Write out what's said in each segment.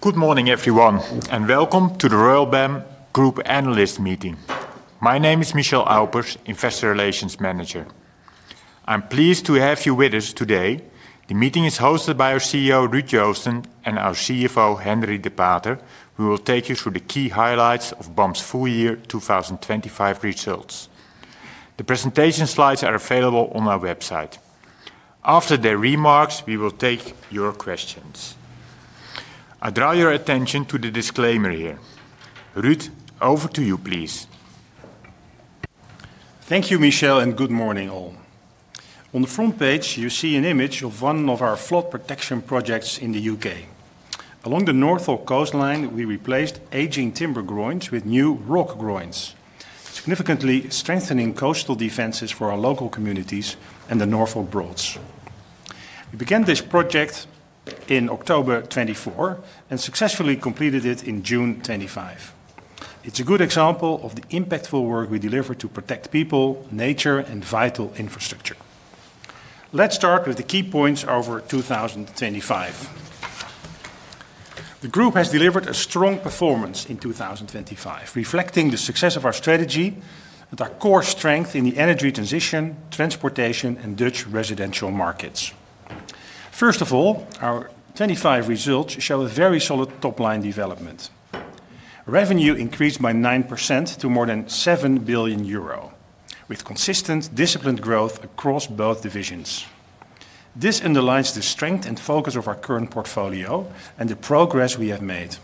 Good morning, everyone, and welcome to the Royal BAM Group Analyst Meeting. My name is Michel Aupers, Investor Relations Manager. I'm pleased to have you with us today. The meeting is hosted by our CEO, Ruud Joosten, and our CFO, Henri de Pater, who will take you through the key highlights of BAM's full year 2025 results. The presentation slides are available on our website. After their remarks, we will take your questions. I draw your attention to the disclaimer here. Ruud, over to you, please. Thank you, Michel, and good morning, all. On the front page, you see an image of one of our flood protection projects in the U.K. Along the Norfolk coastline, we replaced aging timber groins with new rock groins, significantly strengthening coastal defenses for our local communities and the Norfolk Broads. We began this project in October 2024 and successfully completed it in June 2025. It's a good example of the impactful work we deliver to protect people, nature, and vital infrastructure. Let's start with the key points over 2025. The group has delivered a strong performance in 2025, reflecting the success of our strategy and our core strength in the energy transition, transportation, and Dutch residential markets. First of all, our 2025 results show a very solid top-line development. Revenue increased by 9% to more than 7 billion euro, with consistent, disciplined growth across both divisions. This underlines the strength and focus of our current portfolio and the progress we have made.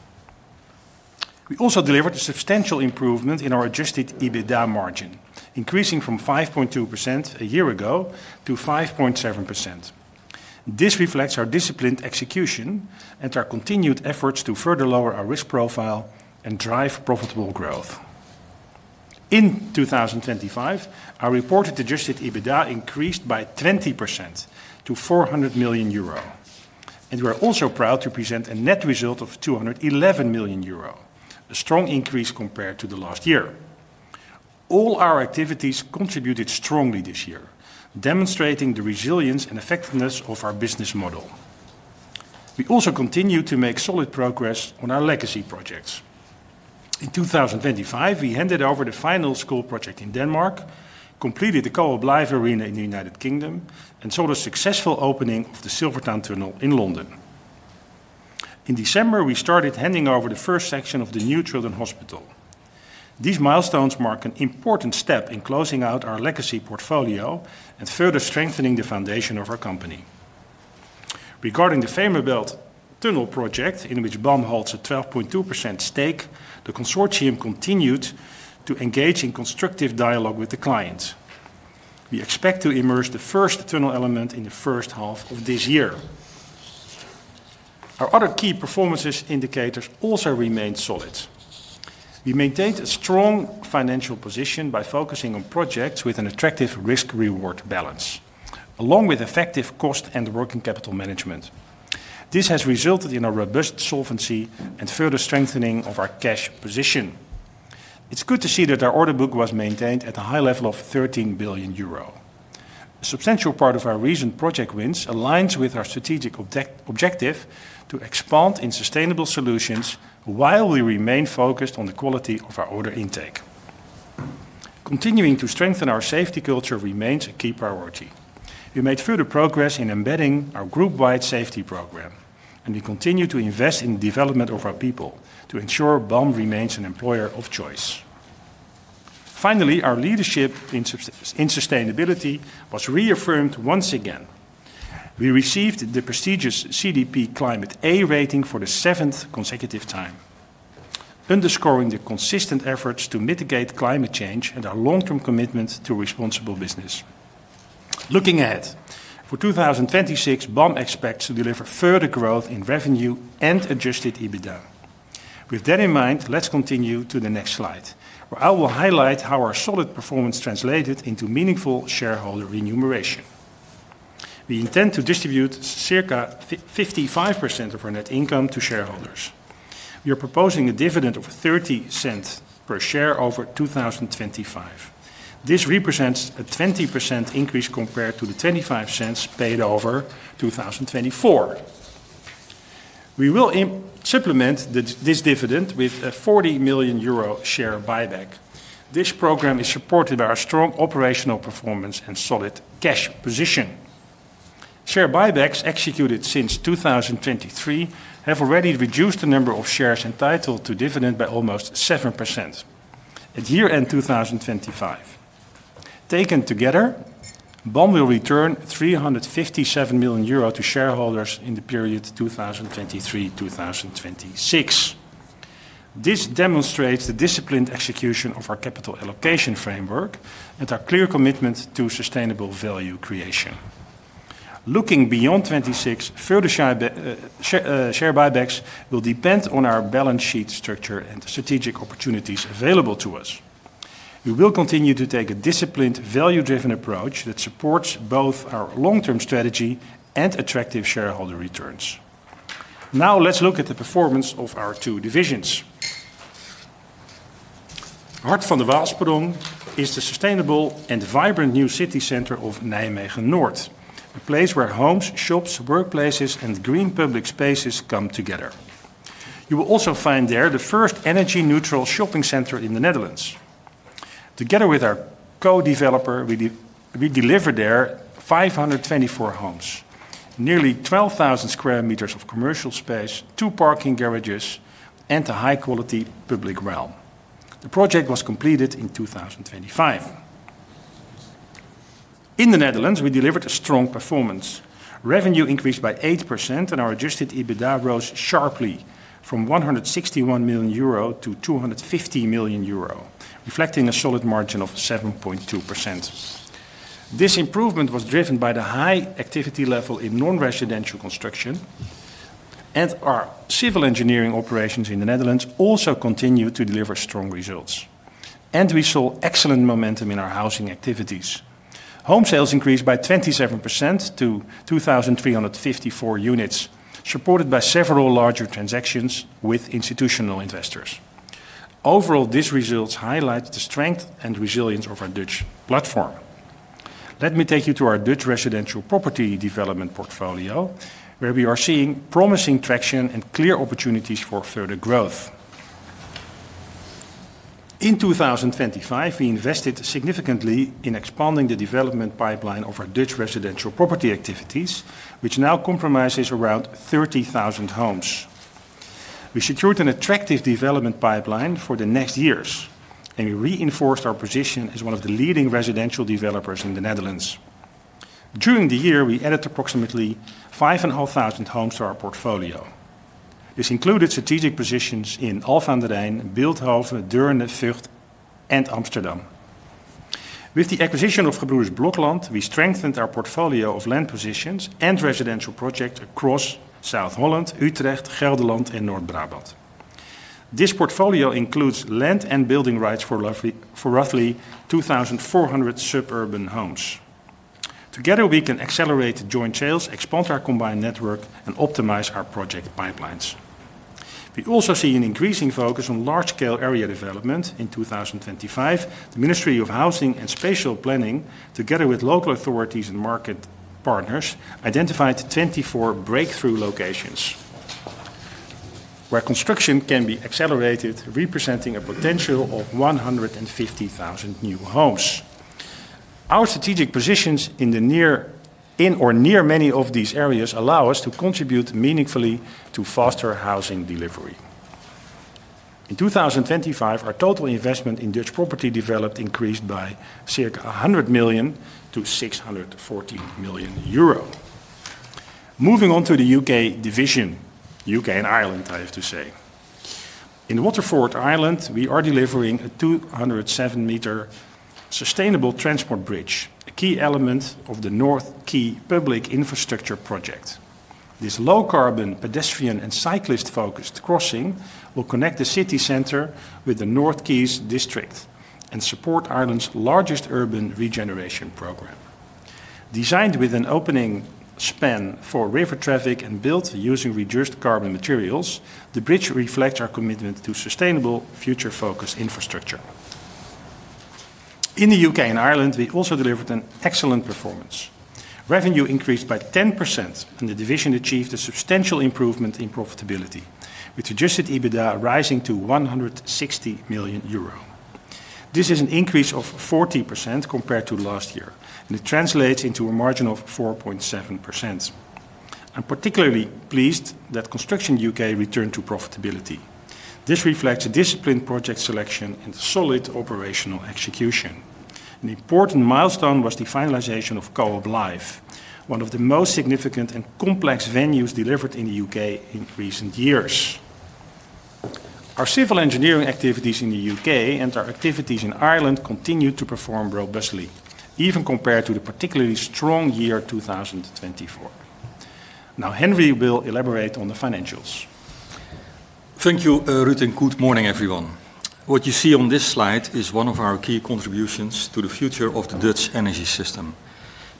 We also delivered a substantial improvement in our Adjusted EBITDA margin, increasing from 5.2% a year ago to 5.7%. This reflects our disciplined execution and our continued efforts to further lower our risk profile and drive profitable growth. In 2025, our reported Adjusted EBITDA increased by 20% to 400 million euro, and we are also proud to present a net result of 211 million euro, a strong increase compared to the last year. All our activities contributed strongly this year, demonstrating the resilience and effectiveness of our business model. We also continued to make solid progress on our legacy projects. In 2025, we handed over the final school project in Denmark, completed the Co-op Live Arena in the United Kingdom, and saw the successful opening of the Silvertown Tunnel in London. In December, we started handing over the first section of the new children's hospital. These milestones mark an important step in closing out our legacy portfolio and further strengthening the foundation of our company. Regarding the Fehmarnbelt Tunnel project, in which BAM holds a 12.2% stake, the consortium continued to engage in constructive dialogue with the client. We expect to immerse the first tunnel element in the first half of this year. Our other key performance indicators also remained solid. We maintained a strong financial position by focusing on projects with an attractive risk-reward balance, along with effective cost and working capital management. This has resulted in a robust solvency and further strengthening of our cash position. It's good to see that our order book was maintained at a high level of 13 billion euro. A substantial part of our recent project wins aligns with our strategic objective to expand in sustainable solutions while we remain focused on the quality of our order intake. Continuing to strengthen our safety culture remains a key priority. We made further progress in embedding our group-wide safety program, and we continue to invest in the development of our people to ensure BAM remains an employer of choice. Finally, our leadership in sustainability was reaffirmed once again. We received the prestigious CDP Climate A rating for the seventh consecutive time, underscoring the consistent efforts to mitigate climate change and our long-term commitment to responsible business. Looking ahead, for 2026, BAM expects to deliver further growth in revenue and Adjusted EBITDA. With that in mind, let's continue to the next slide, where I will highlight how our solid performance translated into meaningful shareholder remuneration. We intend to distribute circa 55% of our net income to shareholders. We are proposing a dividend of 0.30 per share over 2025. This represents a 20% increase compared to the 0.25 paid over 2024. We will supplement this dividend with a 40 million euro share buyback. This program is supported by our strong operational performance and solid cash position. Share buybacks executed since 2023 have already reduced the number of shares entitled to dividend by almost 7% at year-end 2025. Taken together, BAM will return 357 million euro to shareholders in the period 2023 to 2026. This demonstrates the disciplined execution of our capital allocation framework and our clear commitment to sustainable value creation. Looking beyond 2026, further share buybacks will depend on our balance sheet structure and the strategic opportunities available to us. We will continue to take a disciplined, value-driven approach that supports both our long-term strategy and attractive shareholder returns. Now, let's look at the performance of our two divisions. Hart van de Waalsprong is the sustainable and vibrant new city center of Nijmegen North, a place where homes, shops, workplaces, and green public spaces come together. You will also find there the first energy-neutral shopping center in the Netherlands. Together with our co-developer, we delivered there 524 homes, nearly 12,000 square meters of commercial space, two parking garages, and a high-quality public realm. The project was completed in 2025. In the Netherlands, we delivered a strong performance. Revenue increased by 8%, and our Adjusted EBITDA rose sharply from 161 million euro to 250 million euro, reflecting a solid margin of 7.2%. This improvement was driven by the high activity level in non-residential construction, and our civil engineering operations in the Netherlands also continued to deliver strong results. We saw excellent momentum in our housing activities. Home sales increased by 27% to 2,354 units, supported by several larger transactions with institutional investors. Overall, these results highlight the strength and resilience of our Dutch platform. Let me take you to our Dutch residential property development portfolio, where we are seeing promising traction and clear opportunities for further growth. In 2025, we invested significantly in expanding the development pipeline of our Dutch residential property activities, which now comprises around 30,000 homes. We secured an attractive development pipeline for the next years, and we reinforced our position as one of the leading residential developers in the Netherlands. During the year, we added approximately 5,500 homes to our portfolio. This included strategic positions in Alphen aan den Rijn, Bilthoven, Dieren-Vecht, and Amsterdam. With the acquisition of Gebroeders Blokland, we strengthened our portfolio of land positions and residential projects across South Holland, Utrecht, Gelderland, and North Brabant. This portfolio includes land and building rights for roughly 2,400 suburban homes. Together, we can accelerate joint sales, expand our combined network, and optimize our project pipelines. We also see an increasing focus on large-scale area development. In 2025, the Ministry of Housing and Spatial Planning, together with local authorities and market partners, identified 24 breakthrough locations, where construction can be accelerated, representing a potential of 150,000 new homes. Our strategic positions in the near, in or near many of these areas allow us to contribute meaningfully to foster housing delivery. In 2025, our total investment in Dutch property development increased by circa 100 million- 640 million euro. Moving on to the U.K. division, U.K. and Ireland, I have to say. In Waterford, Ireland, we are delivering a 207-meter sustainable transport bridge, a key element of the North Quay public infrastructure project. This low-carbon, pedestrian, and cyclist-focused crossing will connect the city center with the North Quays district and support Ireland's largest urban regeneration program. Designed with an opening span for river traffic and built using reduced carbon materials, the bridge reflects our commitment to sustainable, future-focused infrastructure. In the U.K. and Ireland, we also delivered an excellent performance. Revenue increased by 10%, and the division achieved a substantial improvement in profitability, with Adjusted EBITDA rising to 160 million euro. This is an increase of 40% compared to last year, and it translates into a margin of 4.7%. I'm particularly pleased that Construction U.K. returned to profitability. This reflects a disciplined project selection and solid operational execution. An important milestone was the finalization of Co-op Live, one of the most significant and complex venues delivered in the U.K. in recent years. Our civil engineering activities in the U.K. and our activities in Ireland continued to perform robustly, even compared to the particularly strong year, 2024. Now, Henri will elaborate on the financials. Thank you, Ruud, and good morning, everyone. What you see on this slide is one of our key contributions to the future of the Dutch energy system,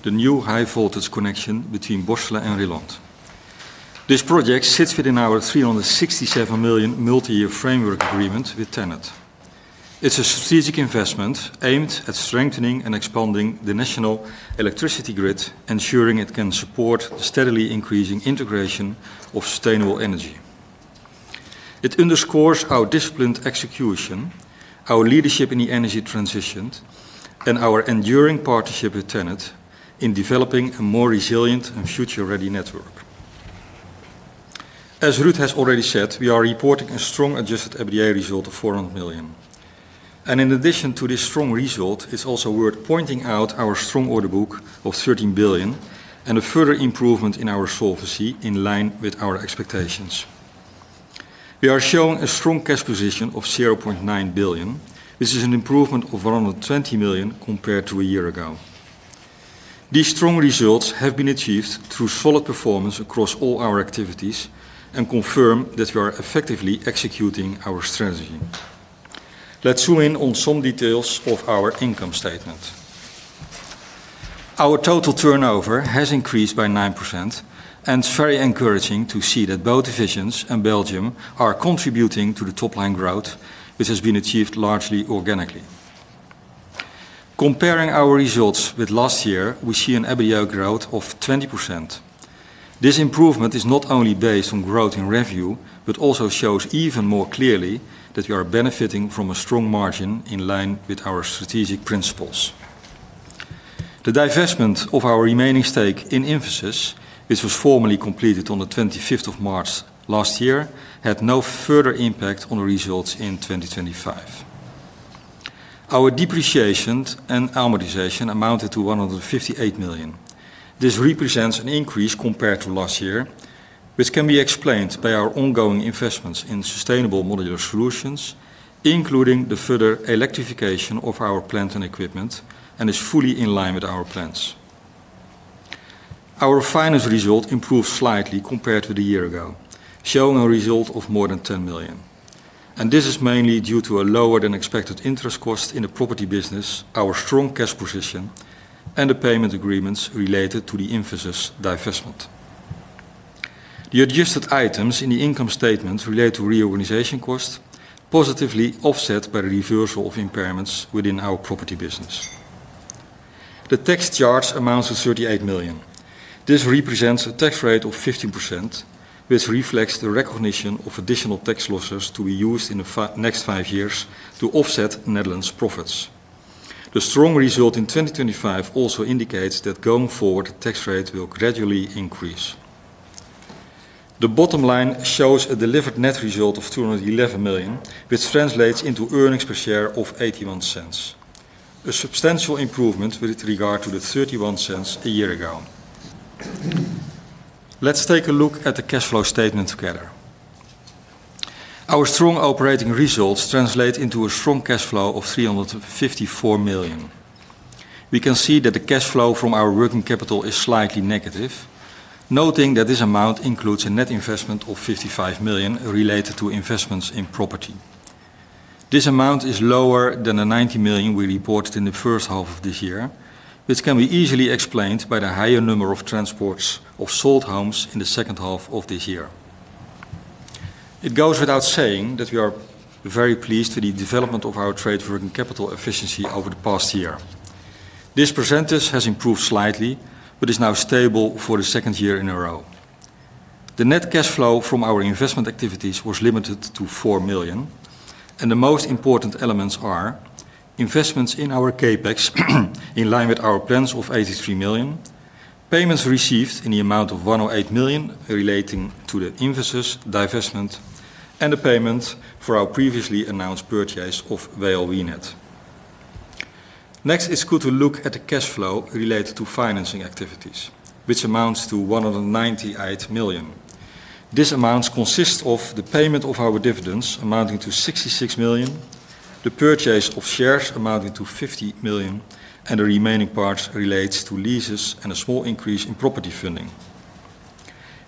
the new high-voltage connection between Borssele and Rilland. This project sits within our 367 million multi-year framework agreement with TenneT. It's a strategic investment aimed at strengthening and expanding the national electricity grid, ensuring it can support the steadily increasing integration of sustainable energy. It underscores our disciplined execution, our leadership in the energy transition, and our enduring partnership with TenneT in developing a more resilient and future-ready network. As Ruud has already said, we are reporting a strong Adjusted EBITDA result of 400 million. In addition to this strong result, it's also worth pointing out our strong order book of 13 billion and a further improvement in our solvency, in line with our expectations. We are showing a strong cash position of 0.9 billion, which is an improvement of 120 million compared to a year ago. These strong results have been achieved through solid performance across all our activities and confirm that we are effectively executing our strategy. Let's zoom in on some details of our income statement.... Our total turnover has increased by 9%, and it's very encouraging to see that both divisions in Belgium are contributing to the top line growth, which has been achieved largely organically. Comparing our results with last year, we see an EBITDA growth of 20%. This improvement is not only based on growth in revenue, but also shows even more clearly that we are benefiting from a strong margin in line with our strategic principles. The divestment of our remaining stake in Infosys, which was formally completed on the 25th of March last year, had no further impact on the results in 2025. Our depreciation and amortization amounted to 158 million. This represents an increase compared to last year, which can be explained by our ongoing investments in sustainable modular solutions, including the further electrification of our plant and equipment, and is fully in line with our plans. Our finance result improved slightly compared to the year ago, showing a result of more than 10 million, and this is mainly due to a lower-than-expected interest cost in the property business, our strong cash position, and the payment agreements related to the Infosys divestment. The adjusted items in the income statement relate to reorganization costs, positively offset by the reversal of impairments within our property business. The tax charge amounts to 38 million. This represents a tax rate of 15%, which reflects the recognition of additional tax losses to be used in the next five years to offset Netherlands' profits. The strong result in 2025 also indicates that going forward, the tax rate will gradually increase. The bottom line shows a delivered net result of 211 million, which translates into earnings per share of 0.81, a substantial improvement with regard to the 0.31 a year ago. Let's take a look at the cash flow statement together. Our strong operating results translate into a strong cash flow of 354 million. We can see that the cash flow from our working capital is slightly negative, noting that this amount includes a net investment of 55 million related to investments in property. This amount is lower than the 90 million we reported in the first half of this year, which can be easily explained by the higher number of transports of sold homes in the second half of this year. It goes without saying that we are very pleased with the development of our trade working capital efficiency over the past year. This percentage has improved slightly but is now stable for the second year in a row. The net cash flow from our investment activities was limited to 4 million, and the most important elements are: investments in our CapEx, in line with our plans of 83 million; payments received in the amount of 108 million relating to the Infosys divestment; and the payment for our previously announced purchase of WL Winet. Next, it's good to look at the cash flow related to financing activities, which amounts to 198 million. This amount consists of the payment of our dividends amounting to 66 million, the purchase of shares amounting to 50 million, and the remaining part relates to leases and a small increase in property funding.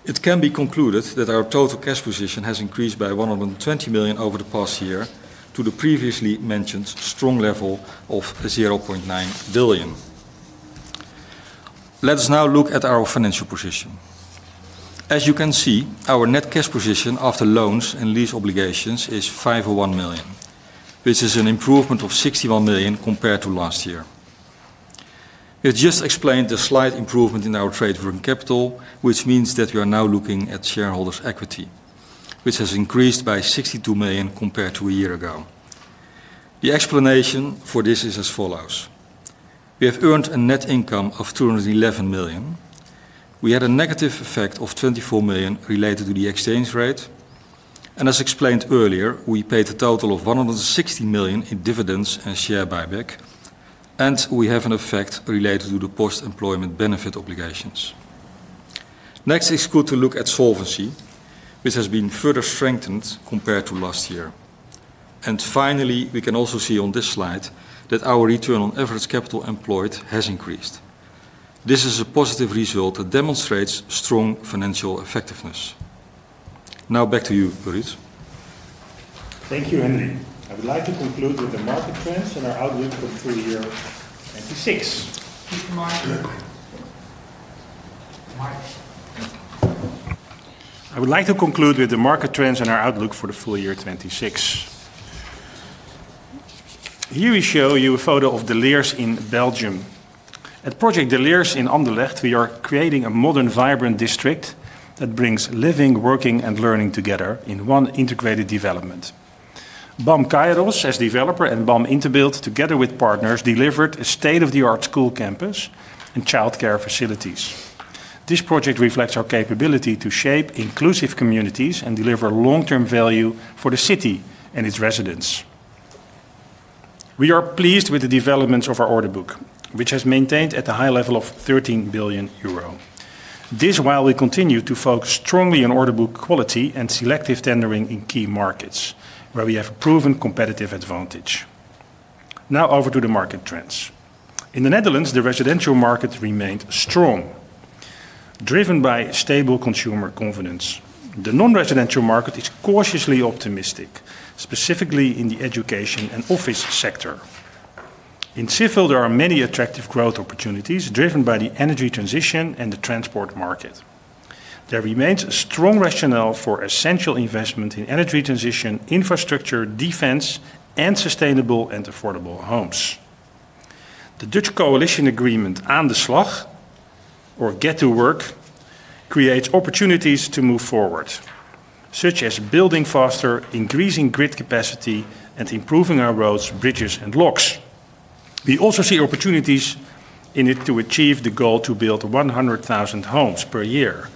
It can be concluded that our total cash position has increased by 120 million over the past year to the previously mentioned strong level of 0.9 billion. Let us now look at our financial position. As you can see, our net cash position after loans and lease obligations is 501 million, which is an improvement of 61 million compared to last year. It just explained the slight improvement in our trade working capital, which means that we are now looking at shareholders' equity, which has increased by 62 million compared to a year ago. The explanation for this is as follows: We have earned a net income of 211 million. We had a negative effect of 24 million related to the exchange rate, and as explained earlier, we paid a total of 160 million in dividends and share buyback, and we have an effect related to the post-employment benefit obligations. Next, it's good to look at solvency, which has been further strengthened compared to last year. Finally, we can also see on this slide that our return on average capital employed has increased. This is a positive result that demonstrates strong financial effectiveness. Now back to you, Borris. Thank you, Henri. I would like to conclude with the market trends and our outlook for the full year 2026. Mark. Mark. I would like to conclude with the market trends and our outlook for the full year 2026. Here we show you a photo of De Liers in Belgium. At Project De Liers in Anderlecht, we are creating a modern, vibrant district that brings living, working, and learning together in one integrated development. BAM Cairos, as developer, and BAM Interbuild, together with partners, delivered a state-of-the-art school campus and childcare facilities. This project reflects our capability to shape inclusive communities and deliver long-term value for the city and its residents. We are pleased with the developments of our order book, which has maintained at a high level of 13 billion euro. This, while we continue to focus strongly on order book quality and selective tendering in key markets, where we have proven competitive advantage. Now, over to the market trends. In the Netherlands, the residential market remained strong.... driven by stable consumer confidence. The non-residential market is cautiously optimistic, specifically in the education and office sector. In civil, there are many attractive growth opportunities, driven by the energy transition and the transport market. There remains a strong rationale for essential investment in energy transition, infrastructure, defense, and sustainable and affordable homes. The Dutch coalition agreement, Aan de slag, or Get to Work, creates opportunities to move forward, such as building faster, increasing grid capacity, and improving our roads, bridges, and locks. We also see opportunities in it to achieve the goal to build 100,000 homes per year,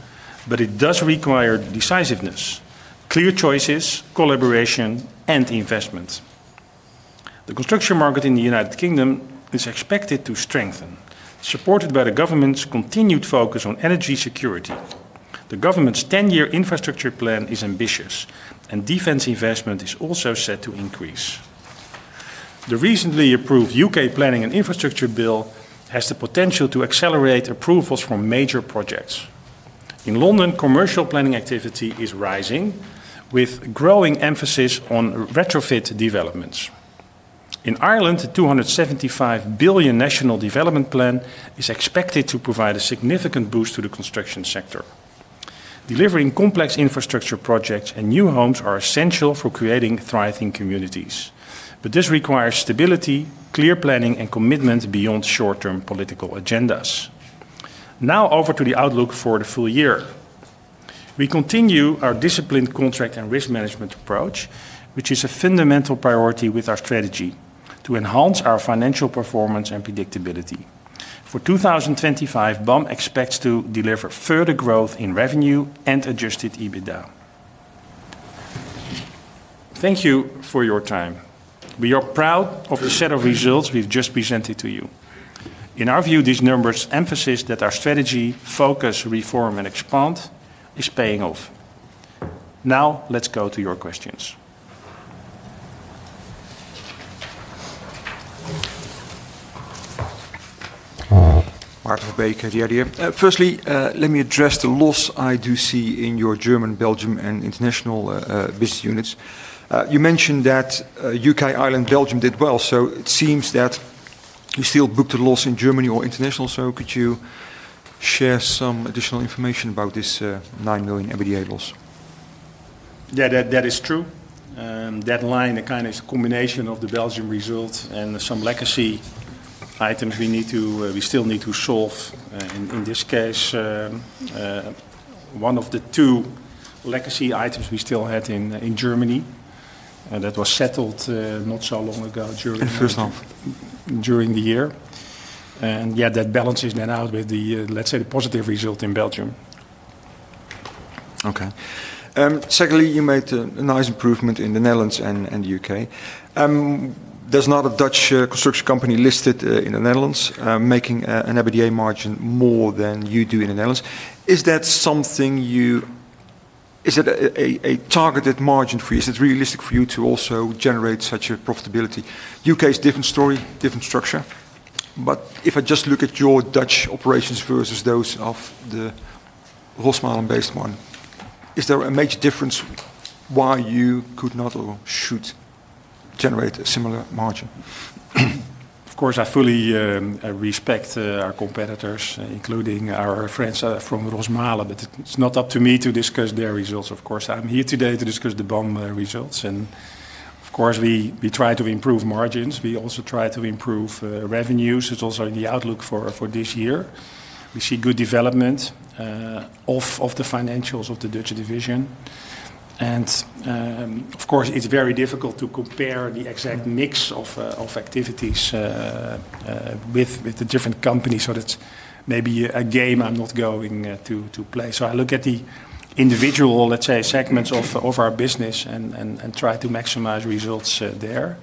but it does require decisiveness, clear choices, collaboration, and investment. The construction market in the United Kingdom is expected to strengthen, supported by the government's continued focus on energy security. The government's ten-year infrastructure plan is ambitious, and defense investment is also set to increase. The recently approved U.K. Planning and Infrastructure Bill has the potential to accelerate approvals from major projects. In London, commercial planning activity is rising, with growing emphasis on retrofit developments. In Ireland, the 275 billion national development plan is expected to provide a significant boost to the construction sector. Delivering complex infrastructure projects and new homes are essential for creating thriving communities, but this requires stability, clear planning, and commitment beyond short-term political agendas. Now, over to the outlook for the full year. We continue our disciplined contract and risk management approach, which is a fundamental priority with our strategy to enhance our financial performance and predictability. For 2025, BAM expects to deliver further growth in revenue and Adjusted EBITDA. Thank you for your time. We are proud of the set of results we've just presented to you. In our view, these numbers emphasize that our strategy, focus, reform, and expand is paying off. Now, let's go to your questions. Martin Verbeek, ING. Firstly, let me address the loss I do see in your German, Belgian, and international business units. You mentioned that UK, Ireland, Belgium did well, so it seems that you still booked a loss in Germany or international. So could you share some additional information about this 9 million EBITDA loss? Yeah, that is true. That line, it kind of is a combination of the Belgian results and some legacy items we need to, we still need to solve. In this case, one of the two legacy items we still had in Germany, and that was settled not so long ago during- First half... during the year. Yeah, that balances then out with the, let's say, the positive result in Belgium. Okay. Secondly, you made a nice improvement in the Netherlands and the UK. There's not a Dutch construction company listed in the Netherlands making an EBITDA margin more than you do in the Netherlands. Is that something you... Is it a targeted margin for you? Is it realistic for you to also generate such a profitability? U.K. is a different story, different structure, but if I just look at your Dutch operations versus those of the Rosmalen-based one, is there a major difference why you could not or should generate a similar margin? Of course, I fully respect our competitors, including our friends from Rosmalen, but it's not up to me to discuss their results, of course. I'm here today to discuss the BAM results, and of course, we try to improve margins. We also try to improve revenues. It's also in the outlook for this year. We see good development of the financials of the Dutch division. And, of course, it's very difficult to compare the exact mix of activities with the different companies, so that's maybe a game I'm not going to play. So I look at the individual, let's say, segments of our business and try to maximize results there.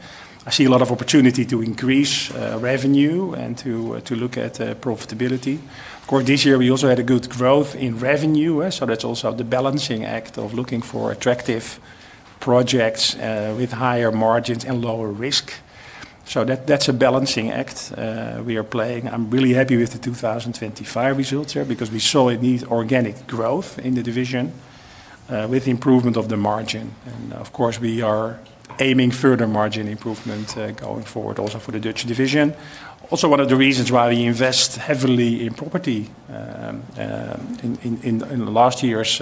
I see a lot of opportunity to increase revenue and to look at profitability. Of course, this year we also had a good growth in revenue, so that's also the balancing act of looking for attractive projects with higher margins and lower risk. So that's a balancing act we are playing. I'm really happy with the 2025 results here because we saw a neat organic growth in the division with improvement of the margin. Of course, we are aiming further margin improvement going forward also for the Dutch division. Also, one of the reasons why we invest heavily in property, in the last year's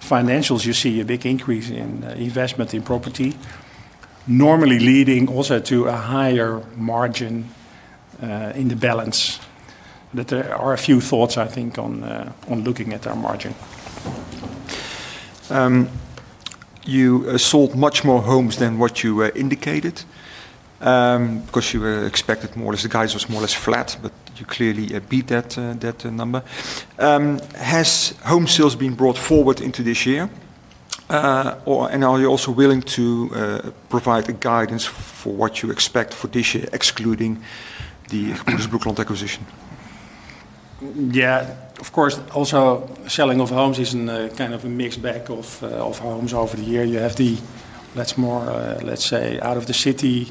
financials, you see a big increase in investment in property, normally leading also to a higher margin in the balance. But there are a few thoughts, I think, on looking at our margin. You sold much more homes than what you indicated, because you expected more or less, the guides were more or less flat, but you clearly beat that number. Has home sales been brought forward into this year? Or, and are you also willing to provide a guidance for what you expect for this year, excluding the Gebroeders Blokland acquisition? Yeah, of course, also, selling of homes is in a kind of a mixed bag of of homes over the year. You have the, let's say, out of the city,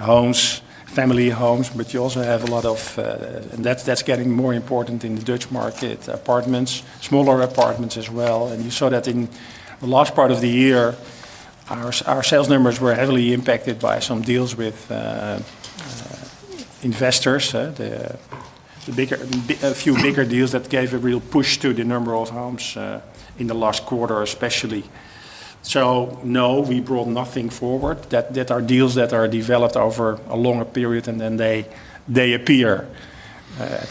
homes, family homes, but you also have a lot of, and that's, that's getting more important in the Dutch market, apartments, smaller apartments as well. And you saw that in the last part of the year, our sales numbers were heavily impacted by some deals with investors, the bigger, a few bigger deals that gave a real push to the number of homes in the last quarter, especially. So no, we brought nothing forward. That are deals that are developed over a longer period, and then they appear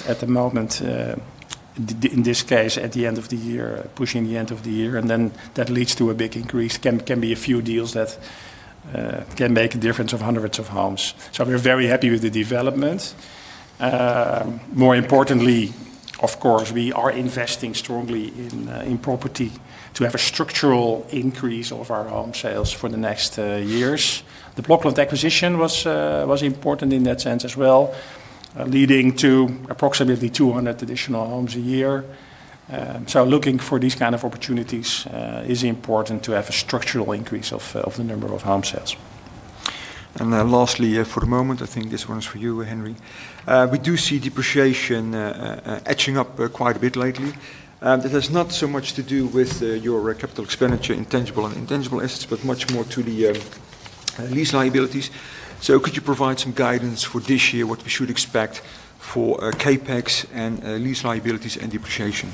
at the moment, in this case, at the end of the year, pushing the end of the year, and then that leads to a big increase. Can be a few deals that can make a difference of hundreds of homes. So we're very happy with the development. More importantly, of course, we are investing strongly in property to have a structural increase of our home sales for the next years. The Blokland acquisition was important in that sense as well, leading to approximately 200 additional homes a year. So looking for these kind of opportunities is important to have a structural increase of the number of home sales. And then lastly, for the moment, I think this one is for you, Henri. We do see depreciation edging up quite a bit lately. That has not so much to do with your capital expenditure in tangible and intangible assets, but much more to the lease liabilities. So could you provide some guidance for this year, what we should expect for CapEx and lease liabilities and depreciation?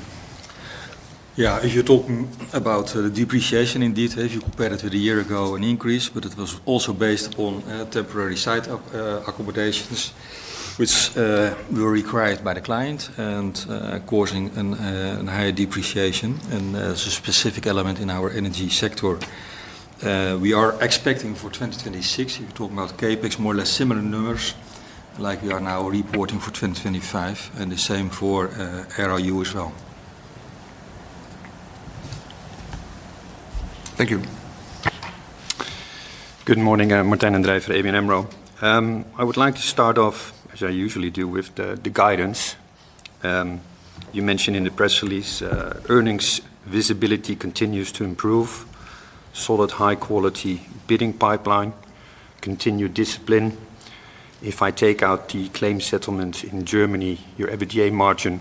Yeah. If you're talking about depreciation indeed, if you compare it to the year ago, an increase, but it was also based on temporary site accommodations, which were required by the client and causing a higher depreciation and specific element in our energy sector. We are expecting for 2026, if you're talking about CapEx, more or less similar numbers like we are now reporting for 2025, and the same for RU as well. Thank you. Good morning, Martijn den Drijver from ABN AMRO. I would like to start off, as I usually do, with the guidance. You mentioned in the press release, earnings visibility continues to improve, solid, high quality bidding pipeline, continued discipline. If I take out the claim settlement in Germany, your EBITDA margin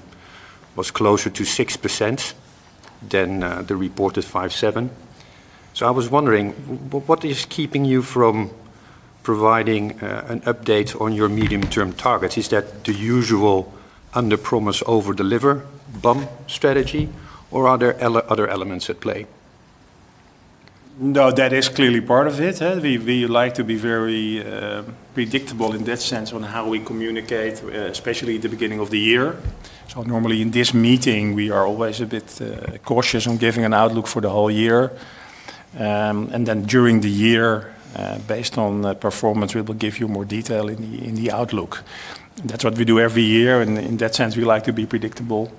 was closer to 6% than the reported 5.7%. So I was wondering, what is keeping you from providing an update on your medium-term targets? Is that the usual underpromise, overdeliver bump strategy, or are there other elements at play? No, that is clearly part of it. We, we like to be very, predictable in that sense on how we communicate, especially at the beginning of the year. So normally, in this meeting, we are always a bit, cautious on giving an outlook for the whole year. And then during the year, based on the performance, we will give you more detail in the, in the outlook. That's what we do every year, and in that sense, we like to be predictable,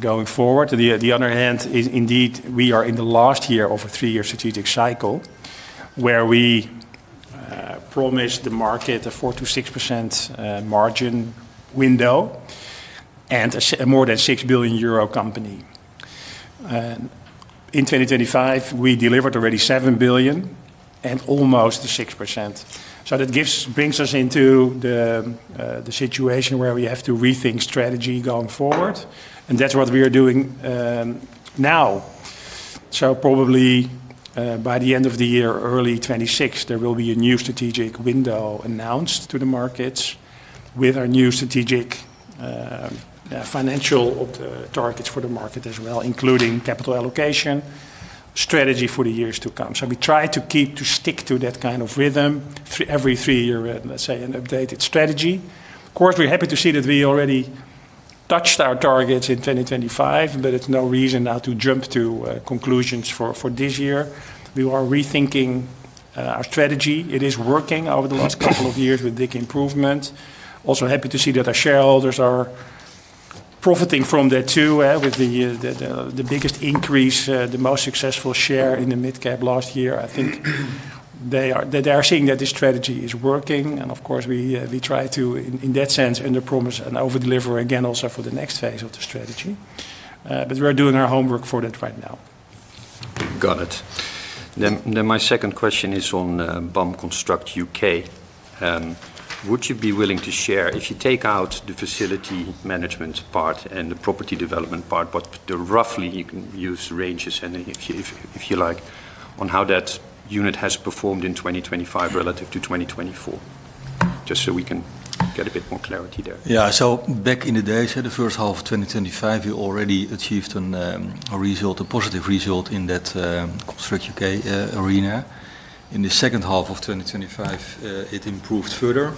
going forward. On the other hand, indeed, we are in the last year of a three-year strategic cycle, where we, promised the market a 4%-6% margin window and a more than 6 billion euro company. In 2025, we delivered already 7 billion and almost 6%. So that brings us into the situation where we have to rethink strategy going forward, and that's what we are doing, now. So probably, by the end of the year, early 2026, there will be a new strategic window announced to the markets with our new strategic, financial targets for the market as well, including capital allocation, strategy for the years to come. So we try to keep, to stick to that kind of rhythm, every three year, let's say, an updated strategy. Of course, we're happy to see that we already touched our targets in 2025, but it's no reason now to jump to conclusions for this year. We are rethinking our strategy. It is working over the last couple of years with big improvement. Also happy to see that our shareholders are profiting from that too, with the biggest increase, the most successful share in the mid-cap last year. I think they are seeing that this strategy is working, and of course, we try to, in that sense, underpromise and overdeliver again also for the next phase of the strategy. But we are doing our homework for that right now. Got it. Then my second question is on, BAM Construct UK. Would you be willing to share, if you take out the facility management part and the property development part, but the roughly you can use ranges and if you like, on how that unit has performed in 2025 relative to 2024? Just so we can get a bit more clarity there. Yeah. So back in the day, so the first half of 2025, we already achieved an, a result, a positive result in that, Construct UK, arena. In the second half of 2025, it improved further,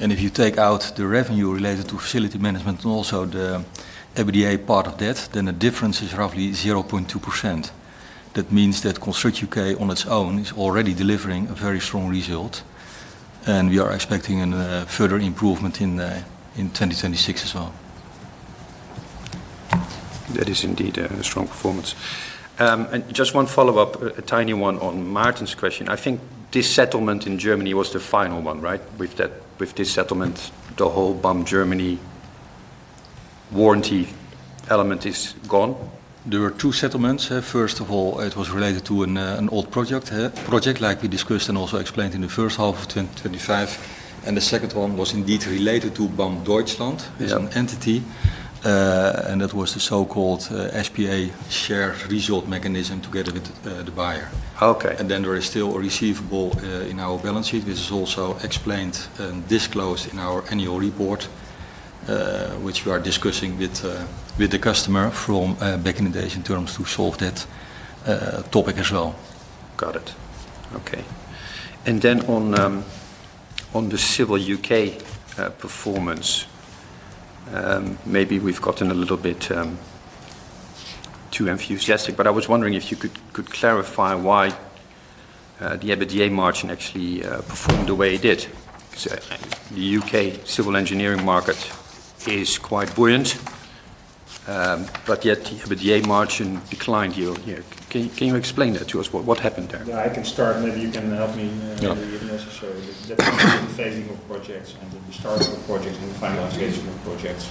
and if you take out the revenue related to facility management and also the EBITDA part of that, then the difference is roughly 0.2%. That means that Construct UK on its own is already delivering a very strong result, and we are expecting an, further improvement in, in 2026 as well. That is indeed a strong performance. And just one follow-up, a tiny one on Martin's question. I think this settlement in Germany was the final one, right? With this settlement, the whole BAM Germany warranty element is gone? There were two settlements. First of all, it was related to an old project like we discussed and also explained in the first half of 2025. The second one was indeed related to BAM Deutschland- Yeah. -as an entity, and that was the so-called SPA share result mechanism together with the buyer. Okay. Then there is still a receivable in our balance sheet. This is also explained and disclosed in our annual report, which we are discussing with the customer from back in the days in terms to solve that topic as well. Got it. Okay. And then on the civil U.K .performance, maybe we've gotten a little bit too enthusiastic, but I was wondering if you could clarify why the EBITDA margin actually performed the way it did? 'Cause the U.K. civil engineering market is quite buoyant, but yet the EBITDA margin declined here. Can you explain that to us? What happened there? Yeah, I can start. Maybe you can help me, Yeah -if necessary. But that's the phasing of projects and the start of projects and finalization of projects.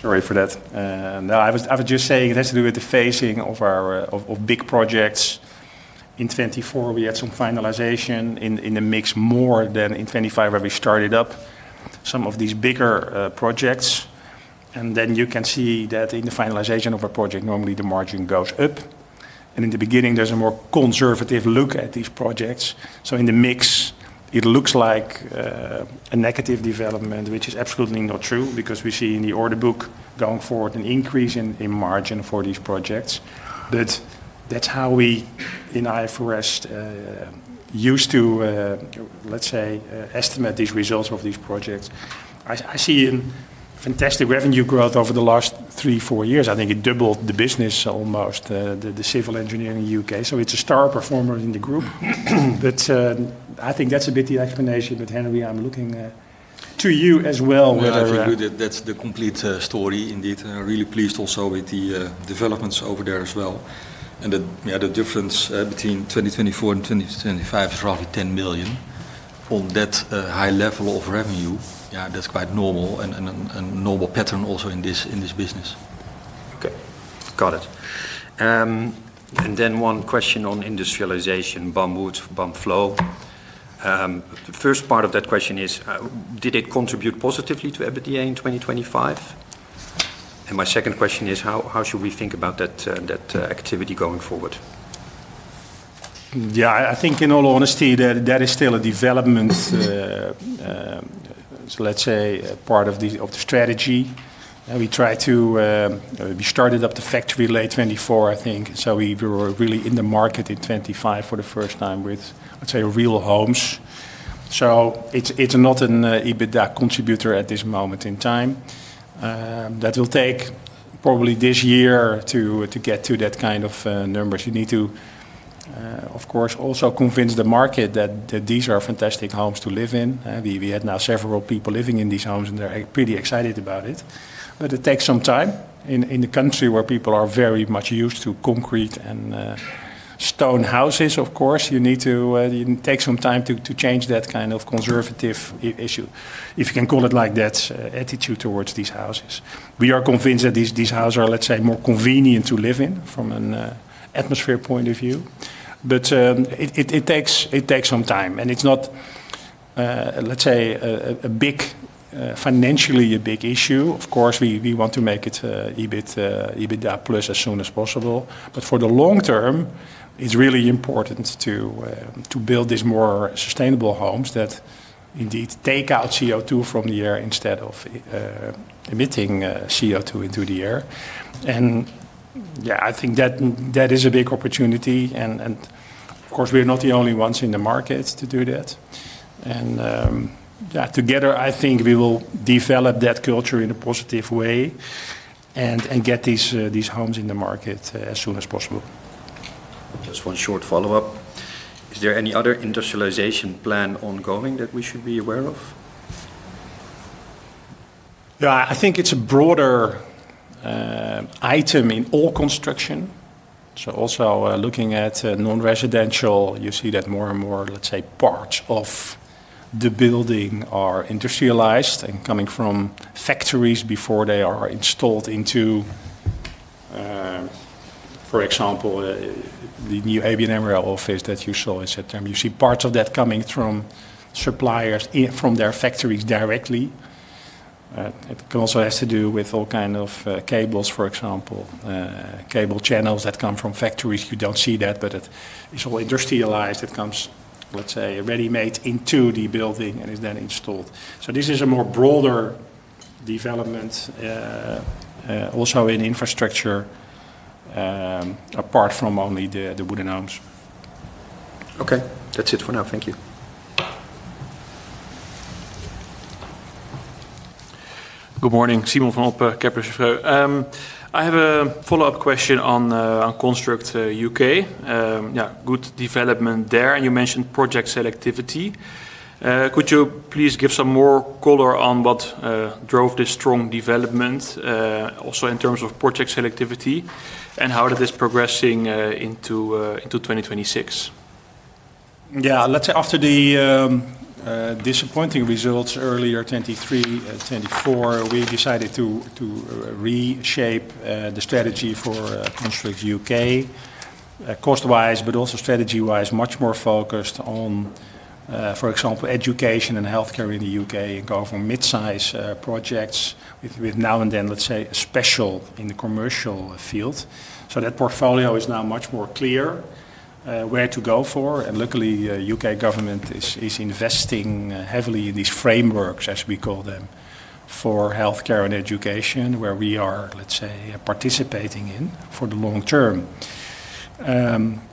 Sorry for that. No, I was just saying it has to do with the phasing of our of big projects. In 2024, we had some finalization in the mix, more than in 2025, where we started up some of these bigger projects. And then you can see that in the finalization of a project, normally the margin goes up, and in the beginning there's a more conservative look at these projects. So in the mix, it looks like a negative development, which is absolutely not true, because we see in the order book going forward an increase in margin for these projects. But that's how we, in IFRS, used to, let's say, estimate these results of these projects. I see a fantastic revenue growth over the last three, four years. I think it doubled the business almost, the civil engineering in UK, so it's a star performer in the group. But, I think that's a bit the explanation, but Henri, I'm looking to you as well, where- Yeah, I agree that that's the complete story indeed. And I'm really pleased also with the developments over there as well. And the, yeah, the difference between 2024 and 2025 is roughly 10 million. From that high level of revenue, yeah, that's quite normal and normal pattern also in this business. Okay, got it. And then one question on industrialization, BAM Wood, BAM Flow. The first part of that question is, did it contribute positively to EBITDA in 2025? And my second question is, how should we think about that activity going forward? Yeah, I think in all honesty, that that is still a development, so let's say, a part of the strategy. We started up the factory late 2024, I think. So we were really in the market in 2025 for the first time with, let's say, real homes. So it's not an EBITDA contributor at this moment in time. That will take probably this year to get to that kind of numbers. You need to, of course, also convince the market that these are fantastic homes to live in. We had now several people living in these homes, and they're extremely pretty excited about it. But it takes some time in a country where people are very much used to concrete and stone houses. Of course, you need to take some time to change that kind of conservative issue, if you can call it like that, attitude towards these houses. We are convinced that these houses are, let's say, more convenient to live in from an atmosphere point of view. But it takes some time, and it's not, let's say, a big financial issue. Of course, we want to make it EBIT, EBITDA plus as soon as possible. But for the long term, it's really important to build these more sustainable homes that indeed take out CO2 from the air instead of emitting CO2 into the air. And yeah, I think that is a big opportunity, and of course, we're not the only ones in the market to do that. And yeah, together, I think we will develop that culture in a positive way and get these homes in the market as soon as possible. Just one short follow-up. Is there any other industrialization plan ongoing that we should be aware of? Yeah, I think it's a broader item in all construction. So also looking at non-residential, you see that more and more, let's say, parts of the building are industrialized and coming from factories before they are installed into... For example, the new ABN AMRO office that you saw in September, you see parts of that coming from suppliers from their factories directly. It also has to do with all kind of cables, for example, cable channels that come from factories. You don't see that, but it, it's all industrialized. It comes, let's say, ready-made into the building and is then installed. So this is a more broader development also in infrastructure apart from only the wooden homes. Okay, that's it for now. Thank you. Good morning. Simon van Oppen, Kepler Cheuvreux. I have a follow-up question on Construct UK. Yeah, good development there, and you mentioned project selectivity. Could you please give some more color on what drove this strong development, also in terms of project selectivity, and how it is progressing into 2026?... Yeah, let's, after the disappointing results earlier, 2023, 2024, we decided to reshape the strategy for Construct UK, cost-wise, but also strategy-wise, much more focused on, for example, education and healthcare in the U.K., and go from mid-size projects with now and then, let's say, special in the commercial field. So that portfolio is now much more clear, where to go for, and luckily, U.K. government is investing heavily in these frameworks, as we call them, for healthcare and education, where we are, let's say, participating in for the long term.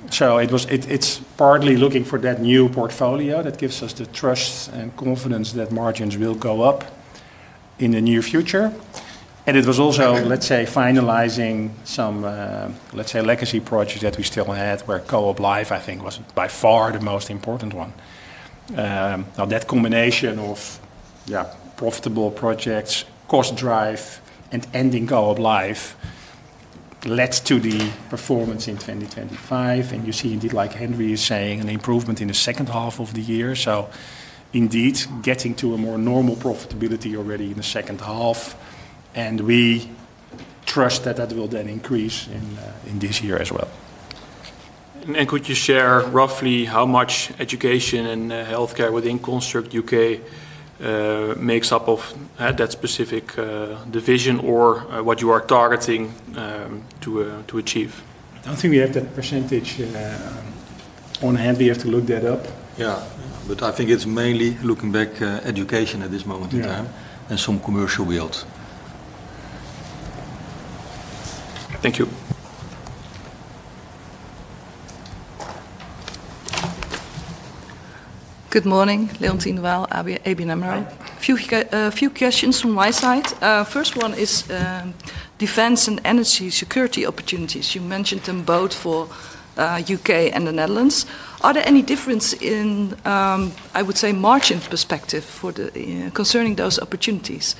So it's partly looking for that new portfolio that gives us the trust and confidence that margins will go up in the near future. And it was also, let's say, finalizing some, let's say, legacy projects that we still had, where Co-op Live, I think, was by far the most important one. Now, that combination of, yeah, profitable projects, cost drive, and ending Co-op Live led to the performance in 2025, and you see, indeed, like Henri is saying, an improvement in the second half of the year, so indeed, getting to a more normal profitability already in the second half, and we trust that that will then increase in, in this year as well. Could you share roughly how much education and healthcare within Construct UK makes up of that specific division or what you are targeting to achieve? I don't think we have that percentage on hand. We have to look that up. Yeah, but I think it's mainly looking back, education at this moment in time... Yeah and some commercial yield. Thank you. Good morning, Leontien de Waal, AB, ABN AMRO. Hi. A few questions from my side. First one is defense and energy security opportunities. You mentioned them both for U.K. and the Netherlands. Are there any difference in I would say, margin perspective for the concerning those opportunities?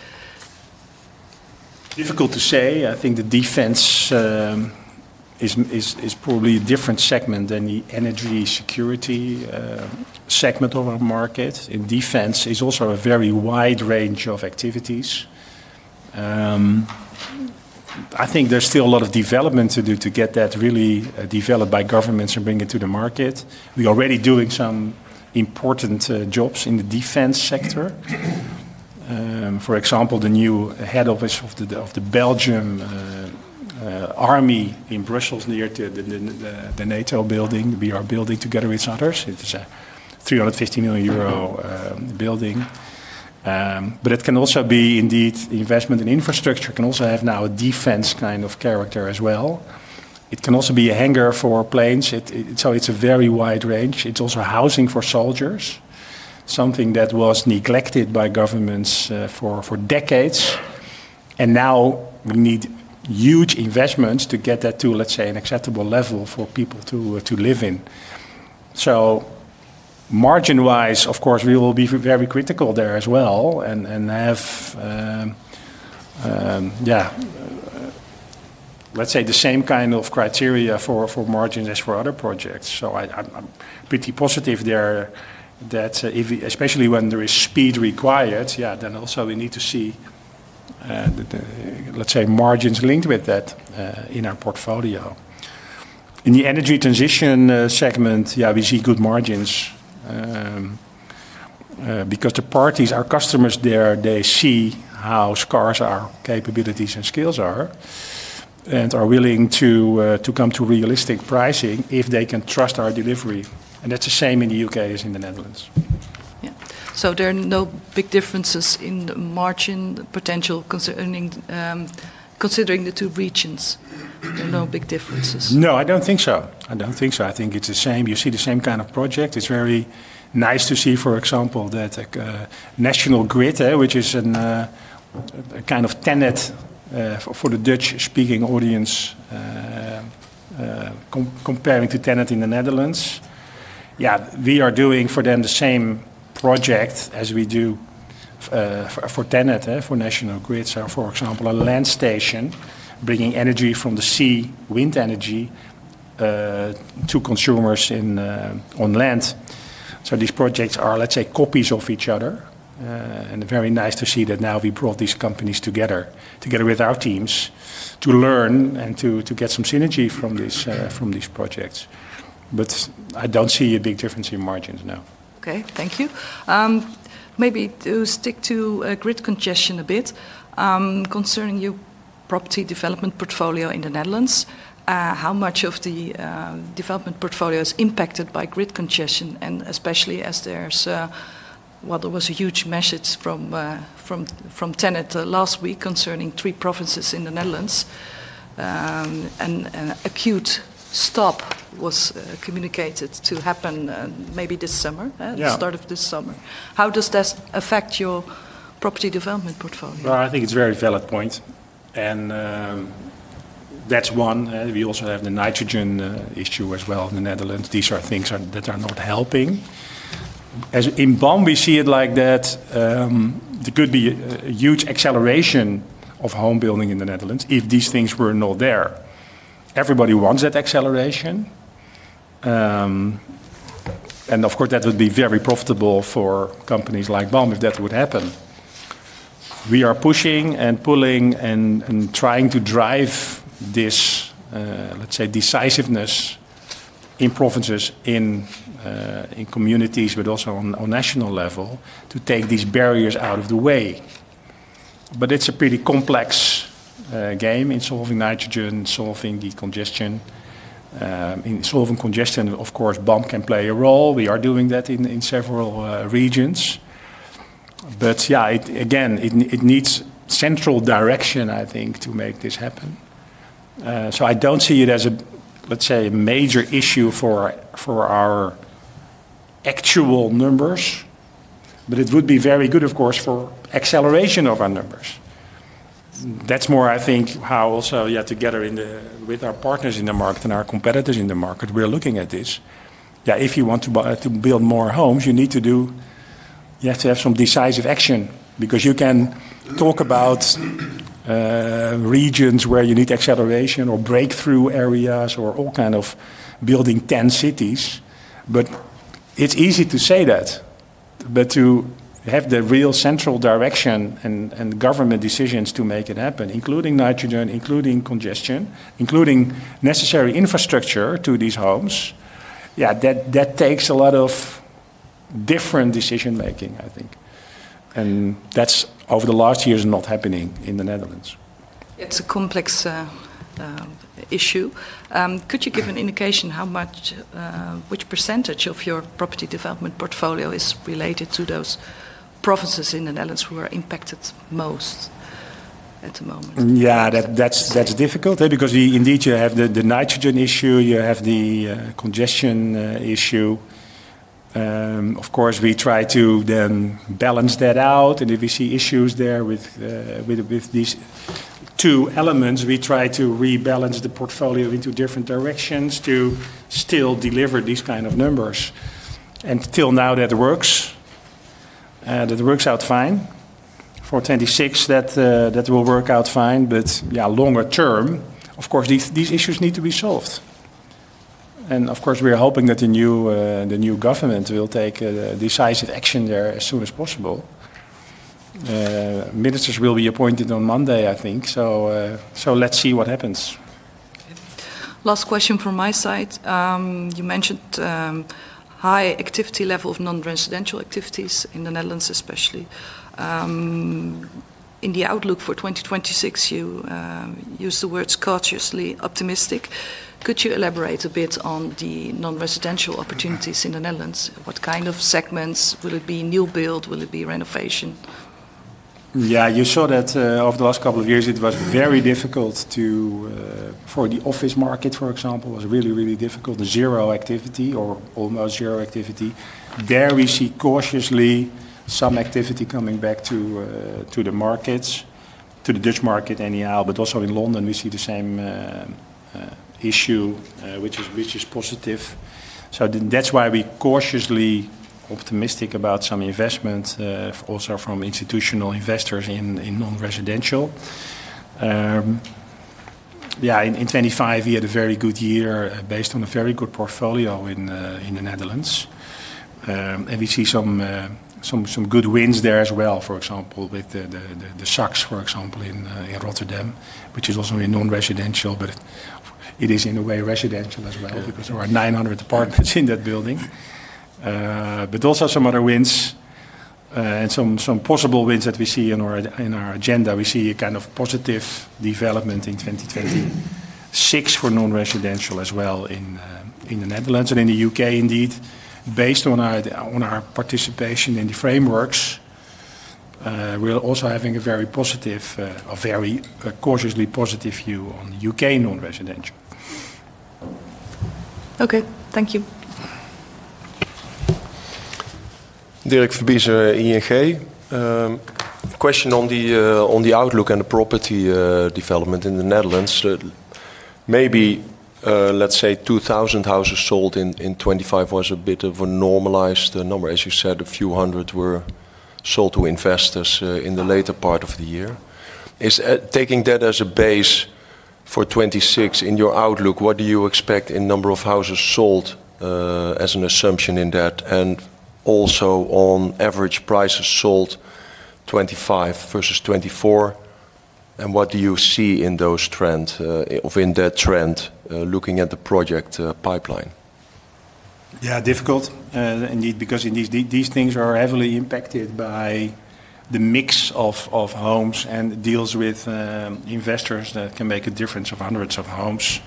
Difficult to say. I think the defense is probably a different segment than the energy security segment of our market, and defense is also a very wide range of activities. I think there's still a lot of development to do to get that really developed by governments and bring it to the market. We're already doing some important jobs in the defense sector. For example, the new head office of the Belgian army in Brussels, near to the NATO building. We are building together with others. It's a 350 million euro building. But it can also be, indeed, investment in infrastructure can also have now a defense kind of character as well. It can also be a hangar for planes. It, so it's a very wide range. It's also housing for soldiers, something that was neglected by governments for decades, and now we need huge investments to get that to, let's say, an acceptable level for people to live in. So margin-wise, of course, we will be very critical there as well and have, yeah, let's say, the same kind of criteria for margin as for other projects. So I'm pretty positive there that if, especially when there is speed required, yeah, then also we need to see the, let's say, margins linked with that in our portfolio. In the energy transition segment, yeah, we see good margins because the parties, our customers there, they see how scarce our capabilities and skills are and are willing to to come to realistic pricing if they can trust our delivery, and that's the same in the U.K. as in the Netherlands. Yeah. So there are no big differences in the margin potential concerning, considering the two regions, there are no big differences? No, I don't think so. I don't think so. I think it's the same. You see the same kind of project. It's very nice to see, for example, that National Grid, which is a kind of TenneT for the Dutch-speaking audience, comparing to TenneT in the Netherlands. Yeah, we are doing for them the same project as we do for TenneT for National Grid. So for example, a land station bringing energy from the sea, wind energy, to consumers in on land. So these projects are, let's say, copies of each other, and very nice to see that now we brought these companies together, together with our teams, to learn and to get some synergy from these from these projects. But I don't see a big difference in margins, no. Okay, thank you. Maybe to stick to grid congestion a bit, concerning your property development portfolio in the Netherlands, how much of the development portfolio is impacted by grid congestion, and especially as there's... Well, there was a huge message from TenneT last week concerning three provinces in the Netherlands, and an acute stop was communicated to happen, maybe this summer- Yeah... the start of this summer. How does this affect your property development portfolio? Well, I think it's a very valid point, and, that's one. We also have the nitrogen issue as well in the Netherlands. These are things that are not helping, as in BAM, we see it like that, there could be a huge acceleration of home building in the Netherlands if these things were not there. Everybody wants that acceleration. And of course, that would be very profitable for companies like BAM, if that would happen. We are pushing and pulling and trying to drive this, let's say, decisiveness in provinces, in communities, but also on national level, to take these barriers out of the way. But it's a pretty complex game in solving nitrogen, solving the congestion. In solving congestion, of course, BAM can play a role. We are doing that in several regions. But yeah, it needs central direction, I think, to make this happen. So I don't see it as a, let's say, major issue for our actual numbers, but it would be very good, of course, for acceleration of our numbers. That's more, I think, how also, yeah, together in the... with our partners in the market and our competitors in the market, we are looking at this. Yeah, if you want to build more homes, you need to do, you have to have some decisive action. Because you can talk about regions where you need acceleration or breakthrough areas or all kind of building ten cities, but it's easy to say that. But to have the real central direction and government decisions to make it happen, including nitrogen, including congestion, including necessary infrastructure to these homes, yeah, that takes a lot of different decision-making, I think. And that's, over the last years, not happening in the Netherlands. It's a complex issue. Could you give an indication how much, which percentage of your property development portfolio is related to those provinces in the Netherlands who are impacted most at the moment? Yeah, that's difficult, eh, because you indeed have the nitrogen issue, you have the congestion issue. Of course, we try to then balance that out, and if we see issues there with these two elements, we try to rebalance the portfolio into different directions to still deliver these kind of numbers. And till now, that works out fine. For 2026, that will work out fine, but yeah, longer term, of course, these issues need to be solved. And of course, we are hoping that the new government will take decisive action there as soon as possible. Ministers will be appointed on Monday, I think, so let's see what happens. Last question from my side. You mentioned high activity level of non-residential activities in the Netherlands, especially. In the outlook for 2026, you used the words cautiously optimistic. Could you elaborate a bit on the non-residential opportunities in the Netherlands? What kind of segments? Will it be new build? Will it be renovation? Yeah, you saw that over the last couple of years, it was very difficult to... For the office market, for example, it was really, really difficult. Zero activity or almost zero activity. There we see cautiously some activity coming back to the markets, to the Dutch market anyhow, but also in London, we see the same issue, which is, which is positive. So that's why we're cautiously optimistic about some investment also from institutional investors in non-residential. Yeah, in 2025, we had a very good year based on a very good portfolio in the Netherlands. And we see some good wins there as well, for example, with The Schokker, for example, in Rotterdam, which is also a non-residential, but it is in a way residential as well, because there are 900 apartments in that building. But also some other wins, and some possible wins that we see in our agenda. We see a kind of positive development in 2026 for non-residential as well in the Netherlands and in the UK, indeed. Based on our participation in the frameworks, we are also having a very positive, a very cautiously positive view on the U.K. non-residential. Okay, thank you. Derek van Overbeek, ING. Question on the outlook and the property development in the Netherlands. Maybe, let's say 2,000 houses sold in 2025 was a bit of a normalized number. As you said, a few hundred were sold to investors in the later part of the year. Taking that as a base for 2026 in your outlook, what do you expect in number of houses sold as an assumption in that, and also on average prices sold 2025 versus 2024, and what do you see in those trends of in that trend looking at the project pipeline? Yeah, difficult, indeed, because these things are heavily impacted by the mix of homes and deals with investors that can make a difference of hundreds of homes.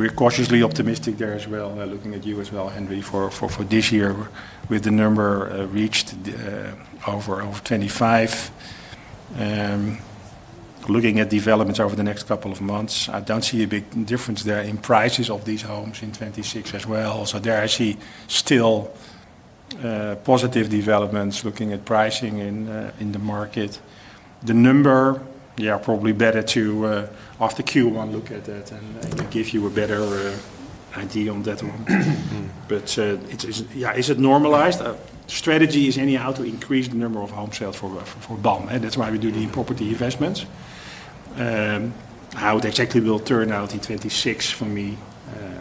We're cautiously optimistic there as well. Looking at you as well, Henri, for this year, with the number reached over 25. Looking at developments over the next couple of months, I don't see a big difference there in prices of these homes in 2026 as well. So there are actually still positive developments looking at pricing in the market. The number, yeah, probably better to after Q1 look at that and give you a better idea on that one. But, it is, yeah, is it normalized? Strategy is anyhow to increase the number of home sales for BAM, and that's why we do the property investments. How it exactly will turn out in 2026 for me,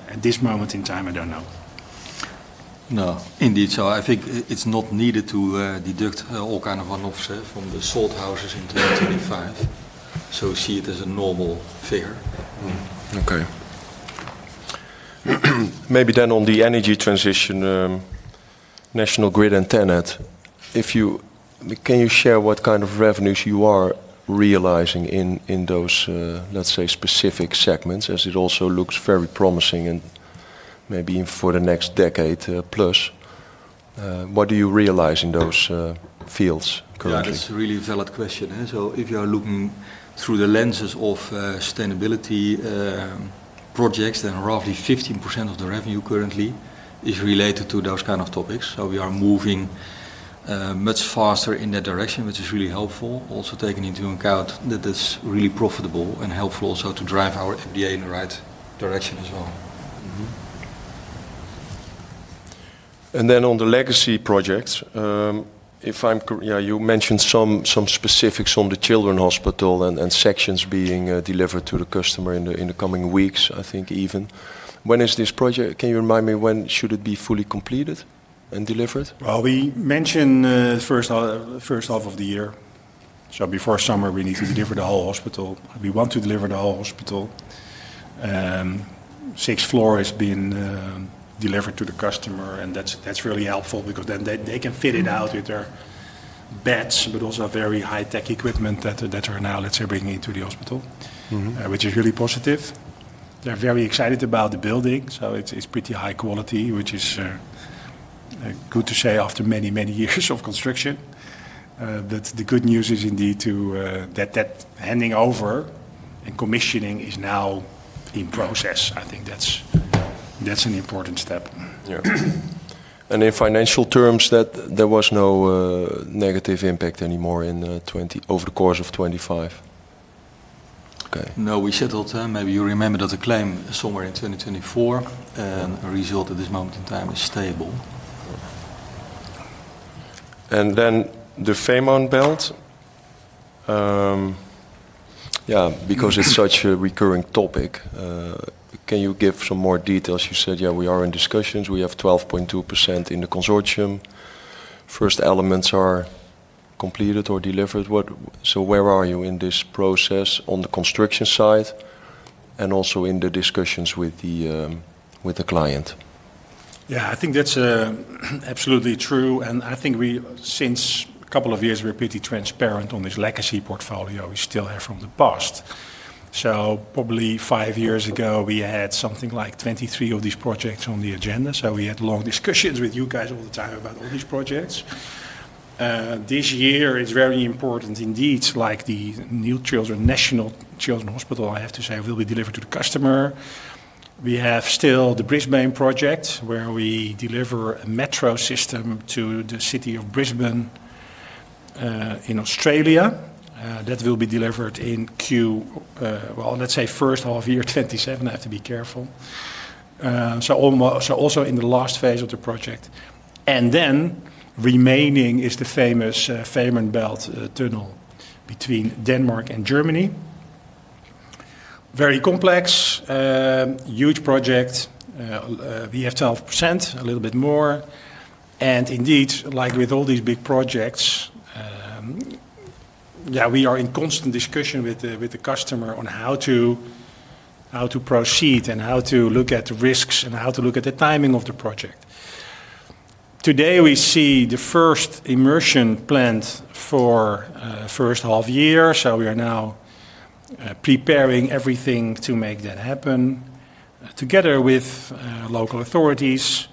at this moment in time, I don't know. No, indeed. So I think it's not needed to deduct all kind of one-off sale from the sold houses in 2025. So see it as a normal fair. Mm-hmm. Okay. Maybe then on the energy transition, National Grid and TenneT, if you... Can you share what kind of revenues you are realizing in those, let's say, specific segments, as it also looks very promising and maybe for the next decade, plus? What do you realize in those fields currently? Yeah, that's a really valid question, eh? So if you are looking through the lenses of sustainability projects, then roughly 15% of the revenue currently is related to those kind of topics. So we are moving much faster in that direction, which is really helpful. Also, taking into account that that's really profitable and helpful also to drive our FDA in the right direction as well. Mm-hmm. And then on the legacy projects, if I'm correct, yeah, you mentioned some specifics on the children's hospital and sections being delivered to the customer in the coming weeks, I think even. When is this project... Can you remind me when it should be fully completed and delivered? Well, we mentioned first half, first half of the year. So before summer, we need to deliver the whole hospital. We want to deliver the whole hospital. Sixth floor has been delivered to the customer, and that's really helpful because then they can fit it out with their beds, but also very high tech equipment that are now, let's say, bringing into the hospital. Mm-hmm. Which is really positive. They're very excited about the building, so it's pretty high quality, which is good to say after many, many years of construction. But the good news is indeed that handing over and commissioning is now in process. I think that's an important step. Yeah. And in financial terms, that there was no negative impact anymore in 2025, over the course of 2025? Okay. No, we settled. Maybe you remember that the claim somewhere in 2024 result at this moment in time is stable. Then the Fehmarnbelt, because it's such a recurring topic, can you give some more details? You said, yeah, we are in discussions. We have 12.2% in the consortium. First elements are completed or delivered. What... So where are you in this process on the construction side, and also in the discussions with the, with the client? Yeah, I think that's absolutely true, and I think we, since a couple of years, we're pretty transparent on this legacy portfolio we still have from the past. So probably five years ago, we had something like 23 of these projects on the agenda, so we had long discussions with you guys all the time about all these projects. This year is very important indeed, like the new Children, National Children's Hospital, I have to say, will be delivered to the customer. We have still the Brisbane project, where we deliver a metro system to the city of Brisbane, in Australia. That will be delivered in Q, well, let's say first half year 2027. I have to be careful. So also in the last phase of the project. And then remaining is the famous Fehmarnbelt Tunnel between Denmark and Germany. Very complex, huge project. We have 12%, a little bit more, and indeed, like with all these big projects, yeah, we are in constant discussion with the customer on how to proceed and how to look at risks and how to look at the timing of the project. Today, we see the first immersion planned for first half year, so we are now preparing everything to make that happen together with local authorities,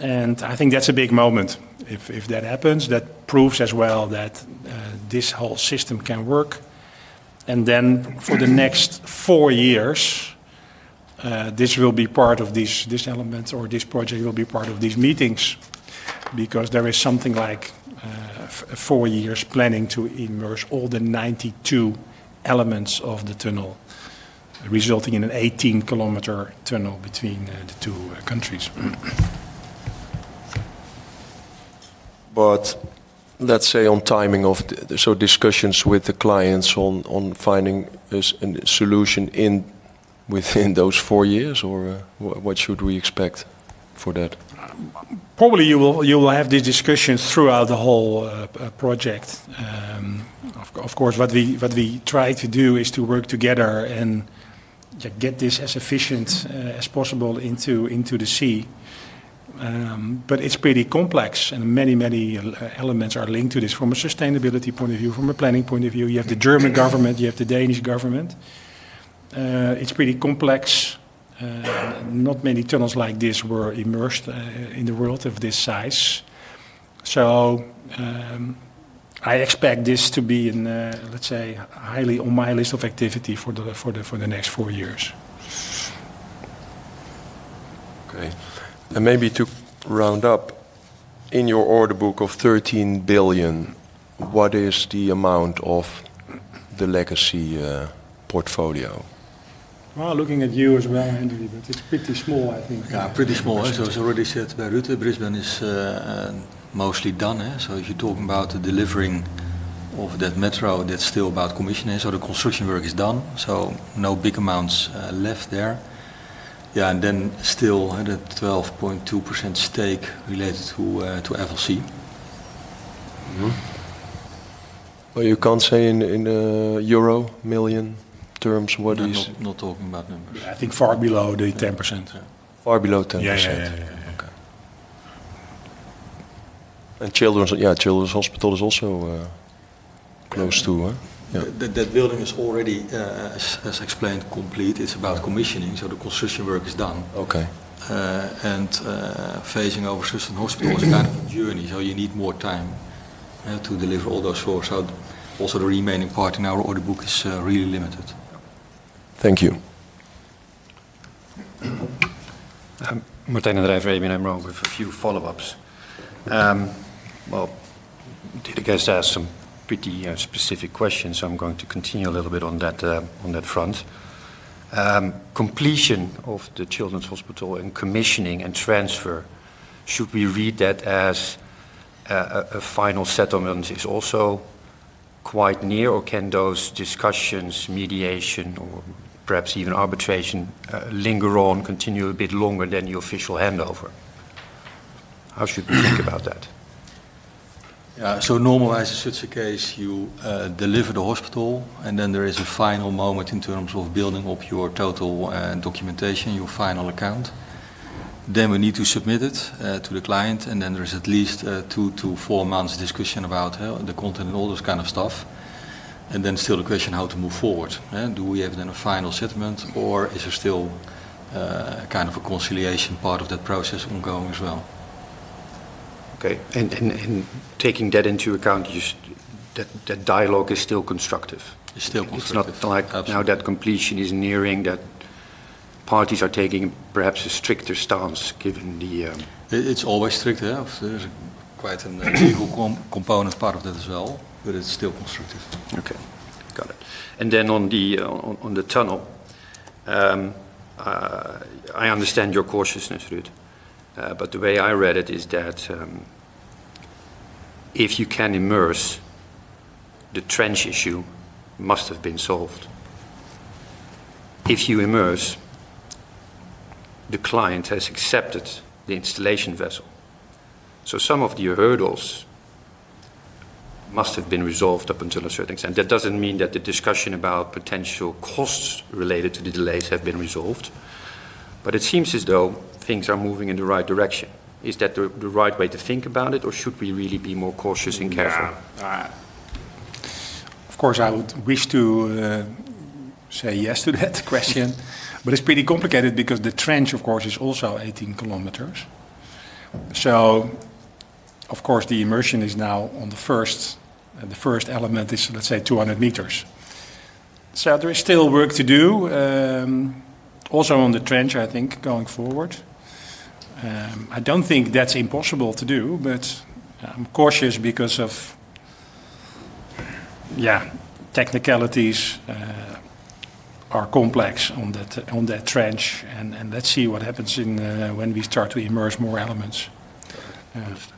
and I think that's a big moment. If that happens, that proves as well that this whole system can work, and then for the next four years, this will be part of these, this element or this project will be part of these meetings. Because there is something like 4 years planning to immerse all the 92 elements of the tunnel, resulting in an 18-kilometer tunnel between the two countries. But let's say on timing of the... So discussions with the clients on finding a solution within those four years, or, what should we expect for that? Probably you will, you will have these discussions throughout the whole project. Of course, what we, what we try to do is to work together and to get this as efficient as possible into, into the sea. But it's pretty complex, and many, many elements are linked to this. From a sustainability point of view, from a planning point of view, you have the German government, you have the Danish government. It's pretty complex. Not many tunnels like this were immersed in the world, of this size. So, I expect this to be in, let's say, highly on my list of activity for the, for the, for the next four years.... Okay, and maybe to round up, in your order book of 13 billion, what is the amount of the legacy portfolio? Well, looking at you as well, Andrew, but it's pretty small, I think. Yeah, pretty small, as already said by Ruud, Brisbane is mostly done. So if you're talking about the delivering of that metro, that's still about commissioning. So the construction work is done, so no big amounts left there. Yeah, and then still at a 12.2% stake related to FLC. Mm-hmm. But you can't say in euro million terms, what is- I'm not talking about numbers. I think far below the 10%. Far below 10%? Yeah, yeah, yeah, yeah. Okay. And Children's— Yeah, Children's Hospital is also close to, huh? Yeah. That building is already, as explained, complete. It's about commissioning, so the construction work is done. Okay. Phasing over system hospital is kind of a journey, so you need more time to deliver all those sorted out. Also, the remaining part in our order book is really limited. Thank you. Martijn den Drijver, ABN AMRO, with a few follow-ups. Well, Derek asked some pretty specific questions, so I'm going to continue a little bit on that, on that front. Completion of the Children's Hospital and commissioning and transfer, should we read that as a final settlement is also quite near, or can those discussions, mediation, or perhaps even arbitration, linger on, continue a bit longer than the official handover? How should we think about that? Yeah, so normally, as is such a case, you deliver the hospital, and then there is a final moment in terms of building up your total documentation, your final account. Then we need to submit it to the client, and then there is at least two to four months discussion about the content and all this kind of stuff. And then still the question, how to move forward, eh? Do we have then a final settlement, or is there still kind of a conciliation part of that process ongoing as well? Okay, taking that into account, you just... That dialogue is still constructive? It's still constructive. It's not like- Absolutely. Now that completion is nearing, that parties are taking perhaps a stricter stance, given the, It's always strict, yeah. There's quite a legal component part of that as well, but it's still constructive. Okay, got it. And then on the tunnel. I understand your cautiousness, Ruud, but the way I read it is that, if you can immerse, the trench issue must have been solved. If you immerse, the client has accepted the installation vessel. So some of the hurdles must have been resolved up until a certain extent. That doesn't mean that the discussion about potential costs related to the delays have been resolved, but it seems as though things are moving in the right direction. Is that the right way to think about it, or should we really be more cautious and careful? Yeah. Of course, I would wish to say yes to that question, but it's pretty complicated because the trench, of course, is also 18 kilometers. So of course, the immersion is now on the first, the first element is, let's say, 200 meters. So there is still work to do, also on the trench, I think, going forward. I don't think that's impossible to do, but I'm cautious because of... Yeah, technicalities are complex on that, on that trench, and, and let's see what happens in, when we start to immerse more elements.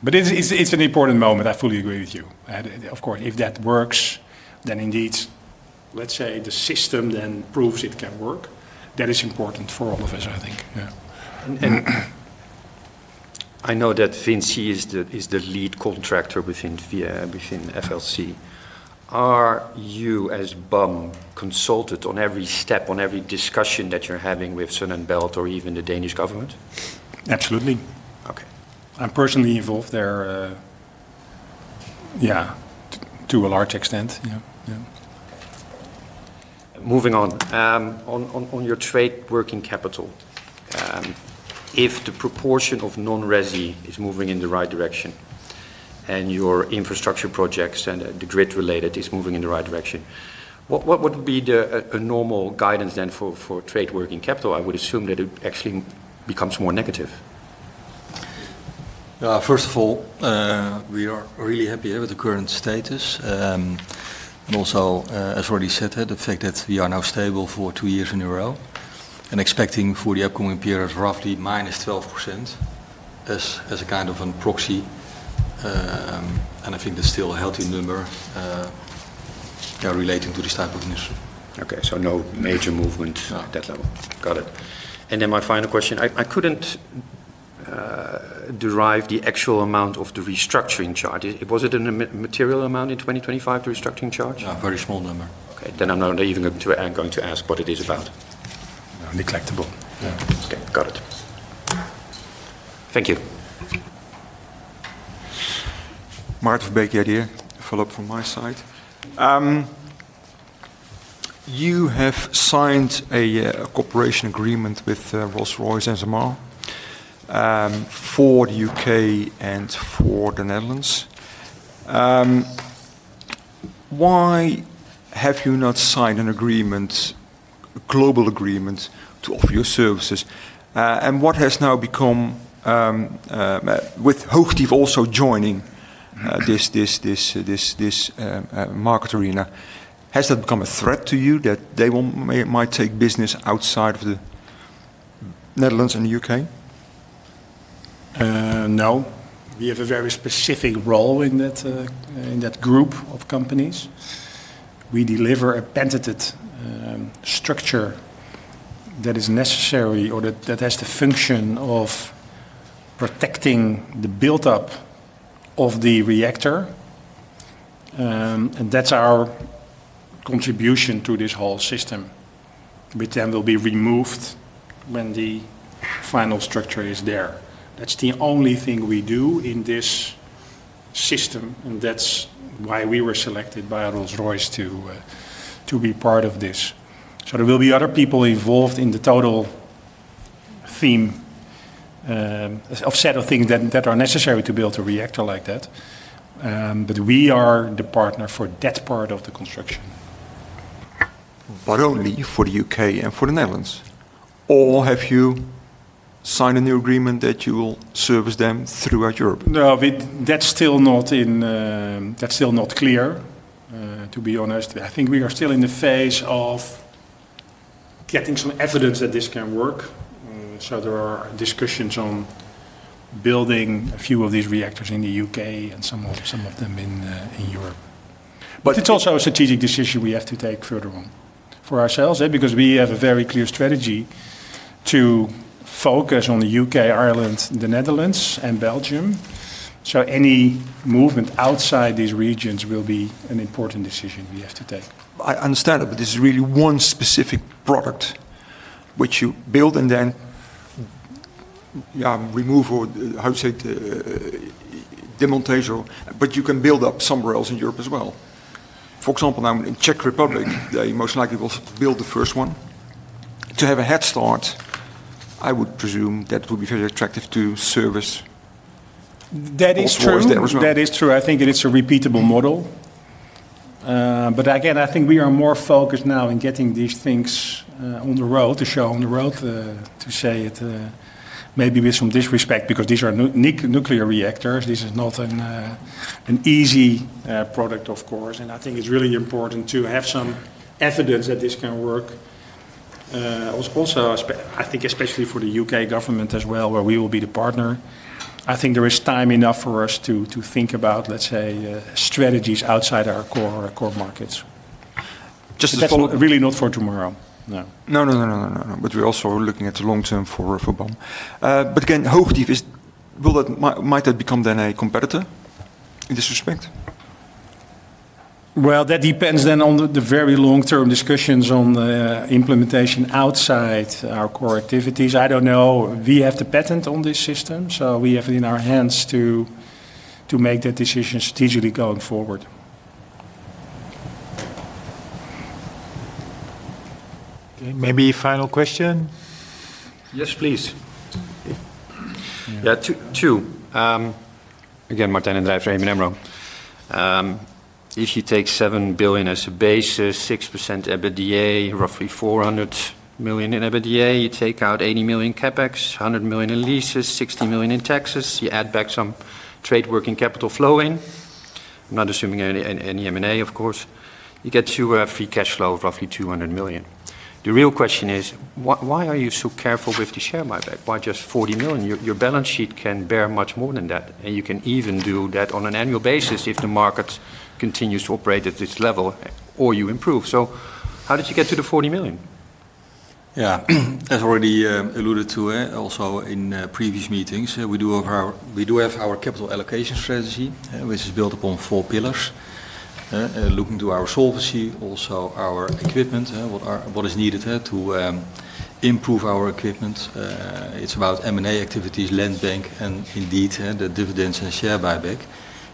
But it's, it's, it's an important moment, I fully agree with you. And of course, if that works, then indeed, let's say the system then proves it can work. That is important for all of us, I think. Yeah. I know that VINCI is the lead contractor within FLC. Are you, as BAM, consulted on every step, on every discussion that you're having with Sund & Bælt or even the Danish government? Absolutely. Okay. I'm personally involved there, yeah, to a large extent. Yeah, yeah. Moving on. On your trade working capital, if the proportion of non-resi is moving in the right direction, and your infrastructure projects and the grid-related is moving in the right direction, what would be a normal guidance then for trade working capital? I would assume that it actually becomes more negative. First of all, we are really happy with the current status. And also, as already said, the fact that we are now stable for two years in a row and expecting for the upcoming period, roughly -12%, as a kind of an proxy. And I think that's still a healthy number, relating to this type of mission. Okay, so no major movement- No. At that level. Got it. And then my final question, I couldn't derive the actual amount of the restructuring charge. Was it a material amount in 2025, the restructuring charge? Yeah, a very small number. Okay, then I'm going to ask what it is about. Neglectable. Yeah. Okay, got it. Thank you. Derek van Overbeek here. Follow up from my side. You have signed a cooperation agreement with Rolls-Royce and ZEMAR for the U.K. and for the Netherlands.... Why have you not signed an agreement, a global agreement, to offer your services? And what has now become, with Hochtief also joining, this market arena, has that become a threat to you, that they will, may, might take business outside of the Netherlands and the UK? No. We have a very specific role in that group of companies. We deliver a patented structure that is necessary, or that has the function of protecting the build-up of the reactor. And that's our contribution to this whole system, which then will be removed when the final structure is there. That's the only thing we do in this system, and that's why we were selected by Rolls-Royce to be part of this. So there will be other people involved in the total theme, a set of things that are necessary to build a reactor like that. But we are the partner for that part of the construction. Only for the U.K. and for the Netherlands, or have you signed a new agreement that you will service them throughout Europe? No, that's still not in, that's still not clear, to be honest. I think we are still in the phase of getting some evidence that this can work. So there are discussions on building a few of these reactors in the U.K. and some of them in Europe. But it's also a strategic decision we have to take further on for ourselves, because we have a very clear strategy to focus on the U.K., Ireland, the Netherlands, and Belgium. So any movement outside these regions will be an important decision we have to take. I understand that, but this is really one specific product which you build and then, remove or, how you say it, démontage. But you can build up somewhere else in Europe as well. For example, now in Czech Republic, they most likely will build the first one. To have a head start, I would presume that will be very attractive to service- That is true. Also there as well. That is true. I think that it's a repeatable model. But again, I think we are more focused now in getting these things on the road, to show on the road, to say it, maybe with some disrespect, because these are nuclear reactors. This is not an easy product, of course, and I think it's really important to have some evidence that this can work. Also, especially for the U.K. government as well, where we will be the partner, I think there is time enough for us to think about, let's say, strategies outside our core, our core markets. Just to follow- Really not for tomorrow. No. No, no, no, no, no, no, no. But we're also looking at the long term for BAM. But again, Hochtief is... Will it, might that become then a competitor in this respect? Well, that depends on the very long-term discussions on the implementation outside our core activities. I don't know. We have the patent on this system, so we have it in our hands to make that decision strategically going forward. Okay, maybe final question? Yes, please. Yeah, Two, two. Again, Martijn den Drijver, ABN AMRO. If you take 7 billion as a basis, 6% EBITDA, roughly 400 million in EBITDA, you take out 80 million CapEx, 100 million in leases, 60 million in taxes, you add back some trade working capital flow in, I'm not assuming any, any, any M&A, of course, you get to a free cash flow of roughly 200 million. The real question is, why, why are you so careful with the share buyback? Why just 40 million? Your, your balance sheet can bear much more than that, and you can even do that on an annual basis if the market continues to operate at this level, or you improve. So how did you get to the 40 million? Yeah. As already alluded to, also in previous meetings, we do have our, we do have our capital allocation strategy, which is built upon four pillars. Looking to our solvency, also our equipment, what are, what is needed, to improve our equipment. It's about M&A activities, land bank, and indeed, the dividends and share buyback.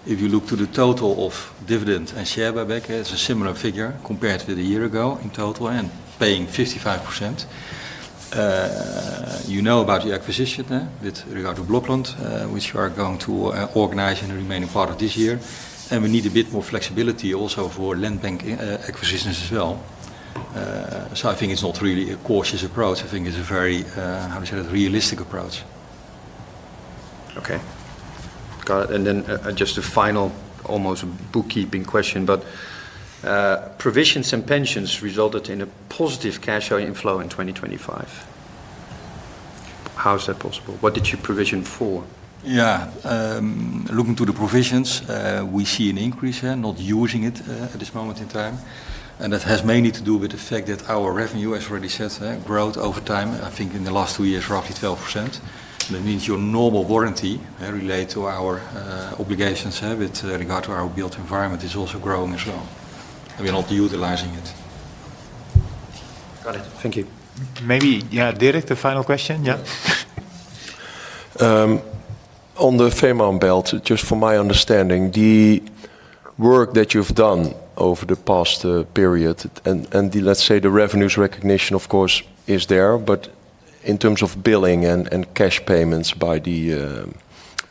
If you look to the total of dividend and share buyback, it's a similar figure compared to the year ago in total and paying 55%. You know about the acquisition, with regard to Blokland, which we are going to organize in the remaining part of this year, and we need a bit more flexibility also for land bank, acquisitions as well. So I think it's not really a cautious approach. I think it's a very, how you say, a realistic approach. Okay. Got it. And then, just a final, almost bookkeeping question, but, provisions and pensions resulted in a positive cash outflow in 2025. How is that possible? What did you provision for? Yeah, looking to the provisions, we see an increase here, not using it at this moment in time, and that has mainly to do with the fact that our revenue, as already said, growth over time, I think in the last two years, roughly 12%. That means your normal warranty relate to our obligations with regard to our built environment is also growing as well, and we are not utilizing it. Got it. Thank you. Maybe, yeah, Derek, the final question? Yeah. On the Fehmarnbelt, just for my understanding, the work that you've done over the past period and, let's say, the revenues recognition, of course, is there, but in terms of billing and cash payments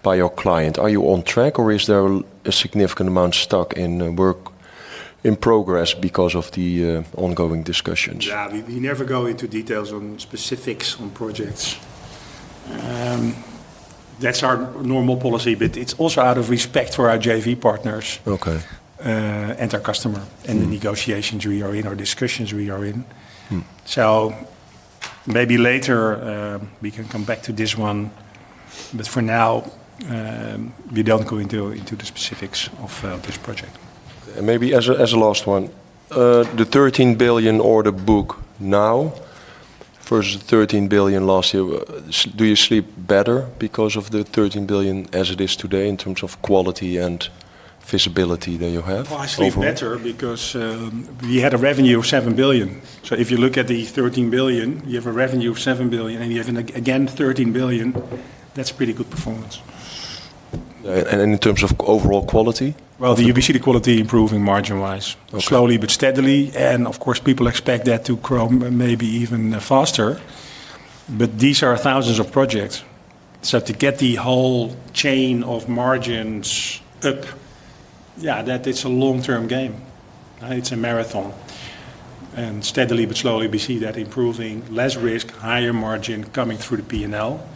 by your client, are you on track, or is there a significant amount stuck in work in progress because of the ongoing discussions? Yeah, we never go into details on specifics on projects. That's our normal policy, but it's also out of respect for our JV partners. Okay. and our customer, and the negotiations we are in, or discussions we are in. Mm. So maybe later, we can come back to this one, but for now, we don't go into the specifics of this project. And maybe as a, as a last one, the 13 billion order book now versus the 13 billion last year, do you sleep better because of the 13 billion as it is today in terms of quality and visibility that you have? Well, I sleep better because we had a revenue of 7 billion. So if you look at the 13 billion, you have a revenue of 7 billion, and you have again, 13 billion, that's pretty good performance. In terms of overall quality? Well, we see the quality improving margin-wise. Okay. Slowly but steadily, and of course, people expect that to grow maybe even faster, but these are thousands of projects. So to get the whole chain of margins up, yeah, that is a long-term game, it's a marathon. And steadily but slowly, we see that improving, less risk, higher margin coming through the P&L.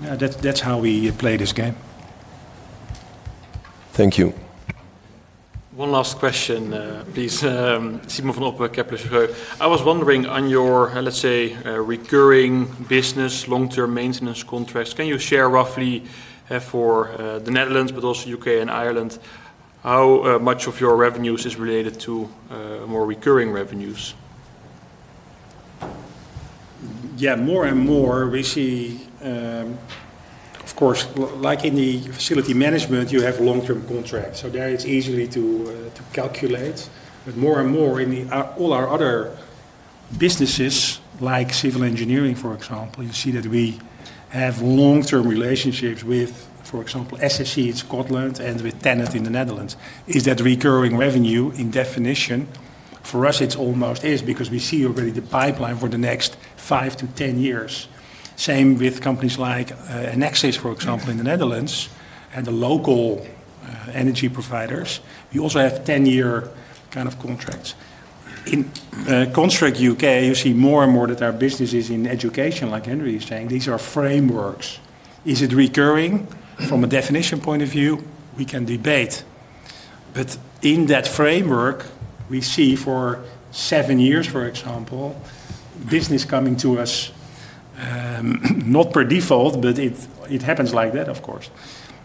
That, that's how we play this game. Thank you. One last question, please. Simon van Oppen, Kepler Cheuvreux. I was wondering on your, let's say, recurring business, long-term maintenance contracts, can you share roughly, for the Netherlands, but also U.K. and Ireland, how much of your revenues is related to more recurring revenues? Yeah, more and more we see, of course, like in the facility management, you have long-term contracts, so there it's easy to calculate. But more and more in all our other businesses, like civil engineering, for example, you see that we have long-term relationships with, for example, SSE in Scotland and with TenneT in the Netherlands. Is that recurring revenue in definition? For us, it almost is because we see already the pipeline for the next 5-10 years. Same with companies like Nexus, for example, in the Netherlands, and the local energy providers. We also have 10-year kind of contracts. In Construct UK, you see more and more that our businesses in education, like Henri was saying, these are frameworks. Is it recurring? From a definition point of view, we can debate. But in that framework, we see for seven years, for example, business coming to us, not by default, but it happens like that, of course.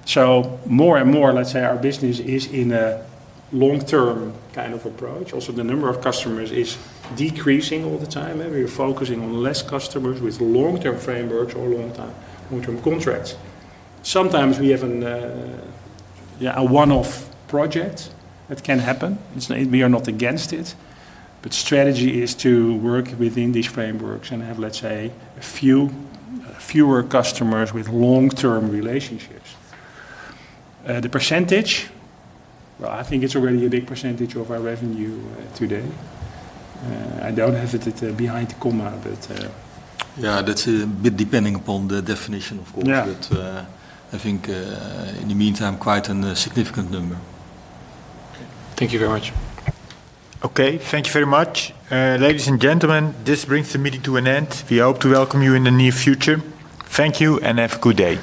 So more and more, let's say our business is in a long-term kind of approach. Also, the number of customers is decreasing all the time, and we're focusing on less customers with long-term frameworks or long-term, long-term contracts. Sometimes we have a one-off project that can happen. It's not... We are not against it, but strategy is to work within these frameworks and have, let's say, fewer customers with long-term relationships. The percentage, well, I think it's already a big percentage of our revenue today. I don't have it at the behind the comma, but- Yeah, that's a bit depending upon the definition, of course. Yeah. I think, in the meantime, quite a significant number. Thank you very much. Okay. Thank you very much. Ladies and gentlemen, this brings the meeting to an end. We hope to welcome you in the near future. Thank you, and have a good day.